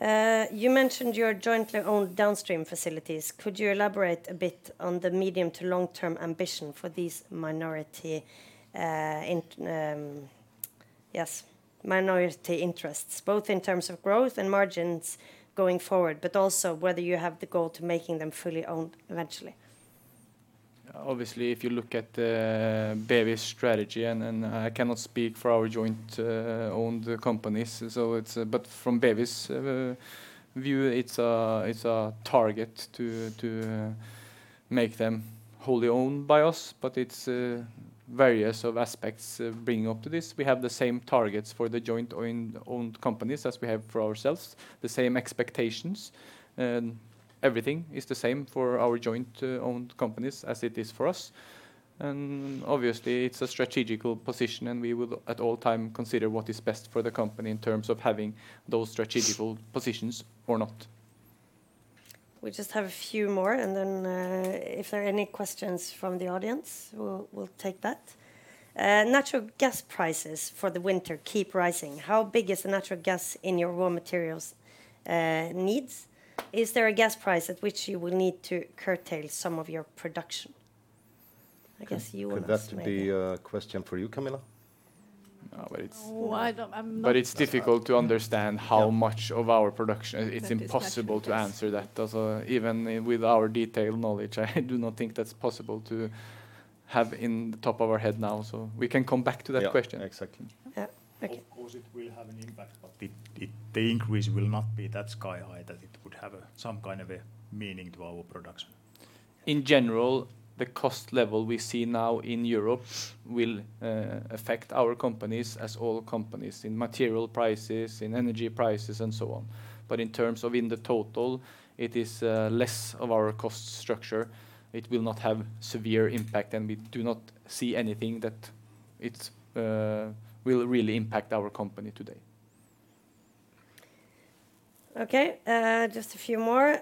You mentioned your jointly owned downstream facilities. Could you elaborate a bit on the medium to long-term ambition for these minority interests, both in terms of growth and margins going forward, but also whether you have the goal to making them fully owned eventually? Obviously, if you look at BEWI's strategy, and I cannot speak for our joint-owned companies, but from BEWI's view, it's a target to make them wholly owned by us, but it's various of aspects bringing up to this. We have the same targets for the joint-owned companies as we have for ourselves, the same expectations. Everything is the same for our joint-owned companies as it is for us. Obviously, it's a strategical position, and we will at all time consider what is best for the company in terms of having those strategical positions or not. We just have a few more, and then if there are any questions from the audience, we'll take that. Natural gas prices for the winter keep rising. How big is the natural gas in your raw materials needs? Is there a gas price at which you will need to curtail some of your production? I guess you will answer maybe. Could that be a question for you, Camilla? No. Well, I don't. It's difficult to understand how much of our production. It's impossible to answer that. Even with our detailed knowledge, I do not think that's possible to have in the top of our head now, so we can come back to that question. Yeah. Exactly. Yeah. Thank you. Of course, it will have an impact, but the increase will not be that sky high that it would have some kind of a meaning to our production. In general, the cost level we see now in Europe will affect our companies as all companies in material prices, in energy prices, and so on. In terms of in the total, it is less of our cost structure. It will not have severe impact, and we do not see anything that it will really impact our company today. Okay. Just a few more.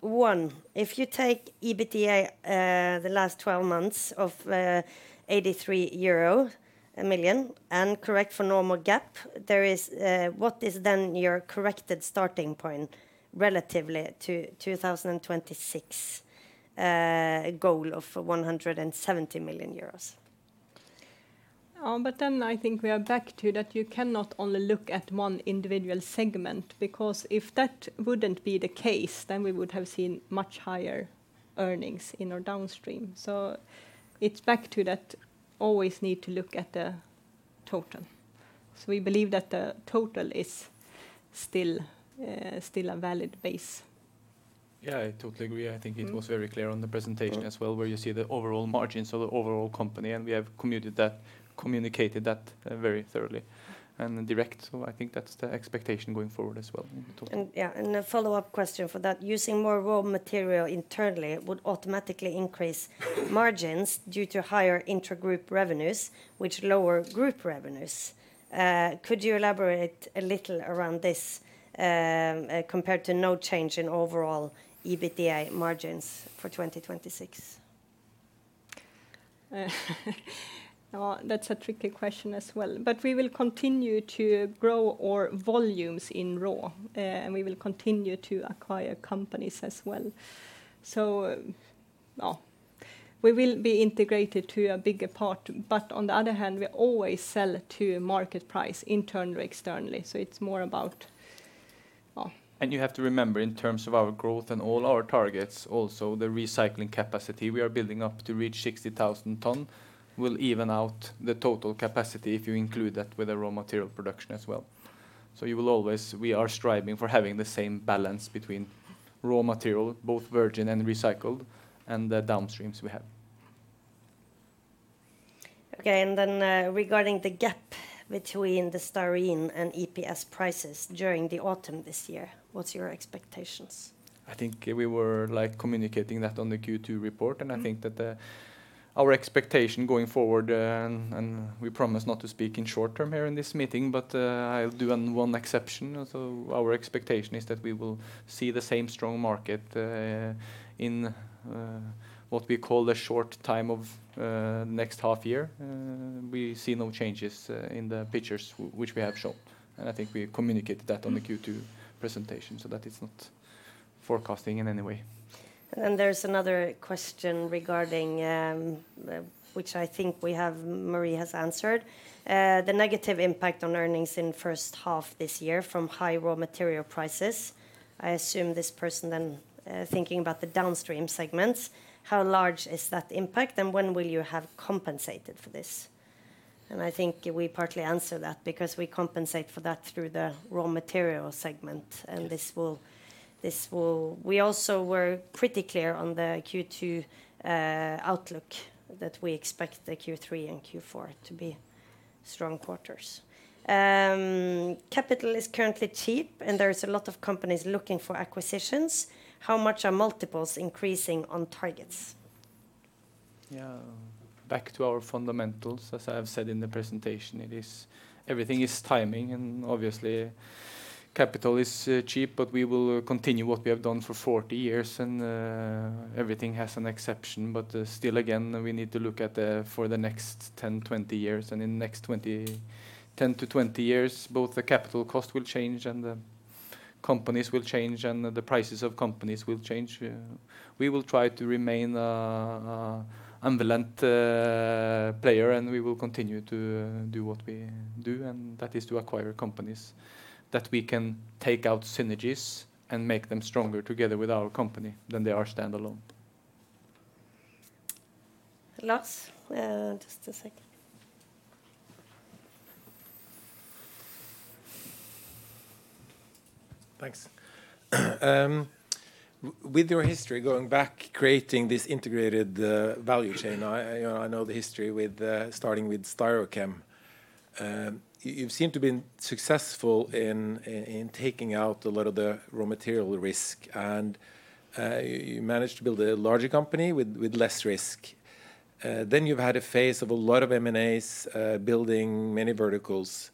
One, if you take EBITDA the last 12 months of 83 million euro and correct for normal GAAP, what is then your corrected starting point relatively to 2026 goal of 170 million euros? I think we are back to that you cannot only look at one individual segment, because if that wouldn't be the case, then we would have seen much higher earnings in our downstream. It's back to that always need to look at the total. We believe that the total is Still a valid base. Yeah, I totally agree. I think it was very clear on the presentation as well, where you see the overall margins of the overall company. We have communicated that very thoroughly and direct. I think that's the expectation going forward as well. Yeah, a follow-up question for that, using more raw material internally would automatically increase margins due to higher intra-group revenues, which lower group revenues. Could you elaborate a little around this, compared to no change in overall EBITDA margins for 2026? That's a tricky question as well. We will continue to grow our volumes in raw, and we will continue to acquire companies as well. We will be integrated to a bigger part. On the other hand, we always sell to market price, internally or externally. It's more about You have to remember, in terms of our growth and all our targets also, the recycling capacity we are building up to reach 60,000 tons will even out the total capacity if you include that with the raw material production as well. We are striving for having the same balance between raw material, both virgin and recycled, and the downstreams we have. Okay, regarding the gap between the styrene and EPS prices during the autumn this year, what's your expectations? I think we were communicating that on the Q2 report, and I think that our expectation going forward, and we promise not to speak in short term here in this meeting, but I'll do one exception. Our expectation is that we will see the same strong market, in what we call the short time of next half year. We see no changes in the pictures which we have shown. I think we communicated that on the Q2 presentation, so that it's not forecasting in any way. There's another question which I think Marie has answered. The negative impact on earnings in first half this year from high raw material prices. I assume this person then, thinking about the downstream segments. How large is that impact, and when will you have compensated for this? I think we partly answered that because we compensate for that through the raw material segment. Yes. We also were pretty clear on the Q2 outlook that we expect the Q3 and Q4 to be strong quarters. Capital is currently cheap and there's a lot of companies looking for acquisitions. How much are multiples increasing on targets? Yeah. Back to our fundamentals, as I have said in the presentation, everything is timing, and obviously capital is cheap, but we will continue what we have done for 40 years, and everything has an exception. Still, again, we need to look at for the next 10, 20 years. In next 10-20 years, both the capital cost will change and the companies will change, and the prices of companies will change. We will try to remain a independent player, and we will continue to do what we do, and that is to acquire companies that we can take out synergies and make them stronger together with our company than they are standalone. Lars, just a second. Thanks. With your history going back, creating this integrated value chain, I know the history with starting with StyroChem. You seem to have been successful in taking out a lot of the raw material risk, and you managed to build a larger company with less risk. You've had a phase of a lot of M&As, building many verticals.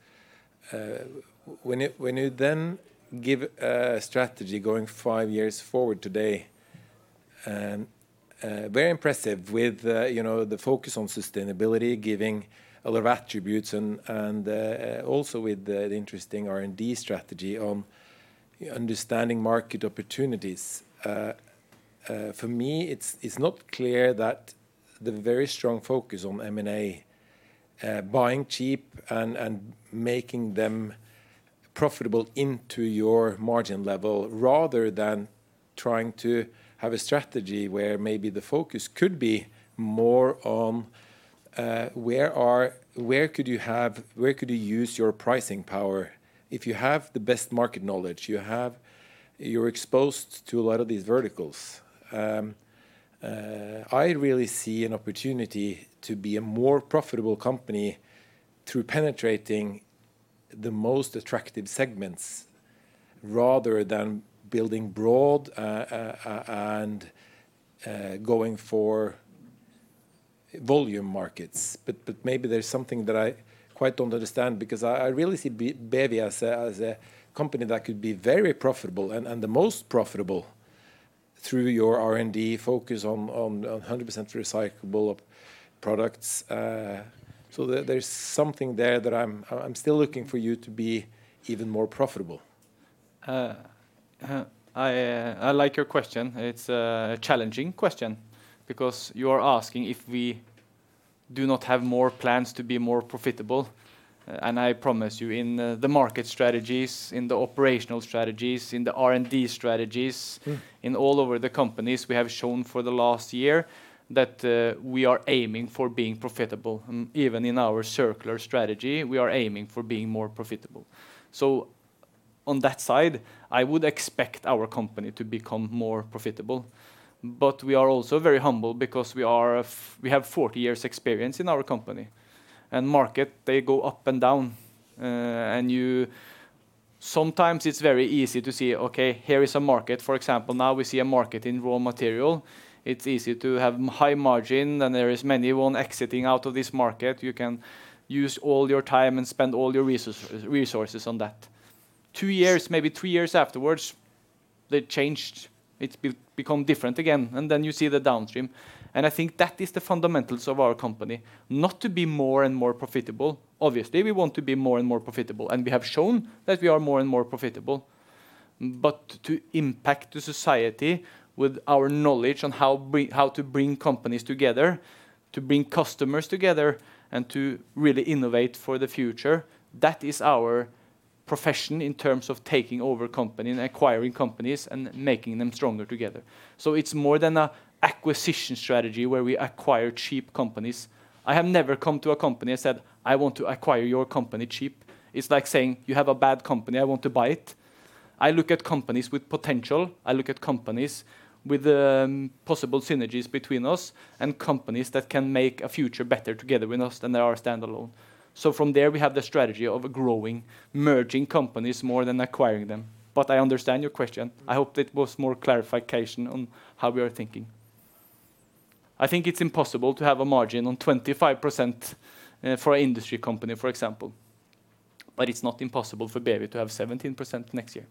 When you then give a strategy going five years forward today, very impressive with the focus on sustainability, giving a lot of attributes, and also with the interesting R&D strategy on understanding market opportunities. For me, it's not clear that the very strong focus on M&A, buying cheap and making them profitable into your margin level, rather than trying to have a strategy where maybe the focus could be more on where could you use your pricing power? If you have the best market knowledge, you're exposed to a lot of these verticals. I really see an opportunity to be a more profitable company through penetrating the most attractive segments rather than building broad and going for volume markets. Maybe there's something that I quite don't understand because I really see BEWI as a company that could be very profitable, and the most profitable through your R&D focus on 100% recyclable products. There's something there that I'm still looking for you to be even more profitable. I like your question. It's a challenging question because you are asking if we do not have more plans to be more profitable. I promise you, in the market strategies, in the operational strategies, in the R&D strategies. In all over the companies, we have shown for the last year that we are aiming for being profitable. Even in our circular strategy, we are aiming for being more profitable. On that side, I would expect our company to become more profitable. We are also very humble because we have 40 years experience in our company. Market, they go up and down. Sometimes it's very easy to see, okay, here is a market. For example, now we see a market in raw material. It's easy to have high margin, and there is many who are exiting out of this market. You can use all your time and spend all your resources on that. Two years, maybe three years afterwards, they changed. It's become different again, and then you see the downstream. I think that is the fundamentals of our company, not to be more and more profitable. Obviously, we want to be more and more profitable, and we have shown that we are more and more profitable. To impact the society with our knowledge on how to bring companies together, to bring customers together, and to really innovate for the future, that is our profession in terms of taking over company and acquiring companies and making them stronger together. It's more than a acquisition strategy where we acquire cheap companies. I have never come to a company and said, "I want to acquire your company cheap." It's like saying, "You have a bad company, I want to buy it." I look at companies with potential. I look at companies with possible synergies between us and companies that can make a future better together with us than they are standalone. From there, we have the strategy of growing, merging companies more than acquiring them. I understand your question. I hope that was more clarification on how we are thinking. I think it's impossible to have a margin on 25% for an industry company, for example. It's not impossible for BEWI to have 17% next year.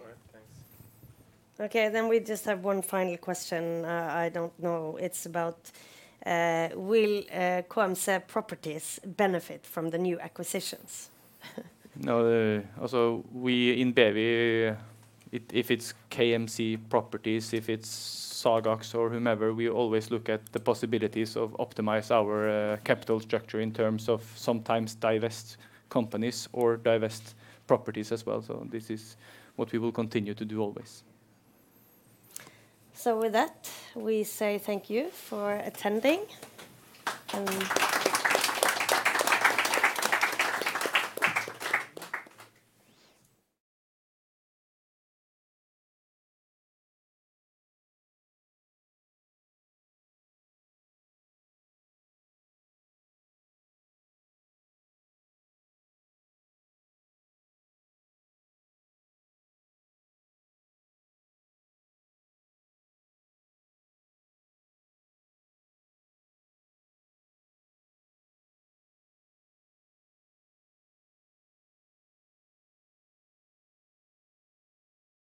All right, thanks. Okay, then we just have one final question. I don't know. It's about will KMC Properties benefit from the new acquisitions? No. Also, we in BEWI, if it's KMC Properties, if it's Sagax or whomever, we always look at the possibilities of optimize our capital structure in terms of sometimes divest companies or divest properties as well. This is what we will continue to do always. With that, we say thank you for attending.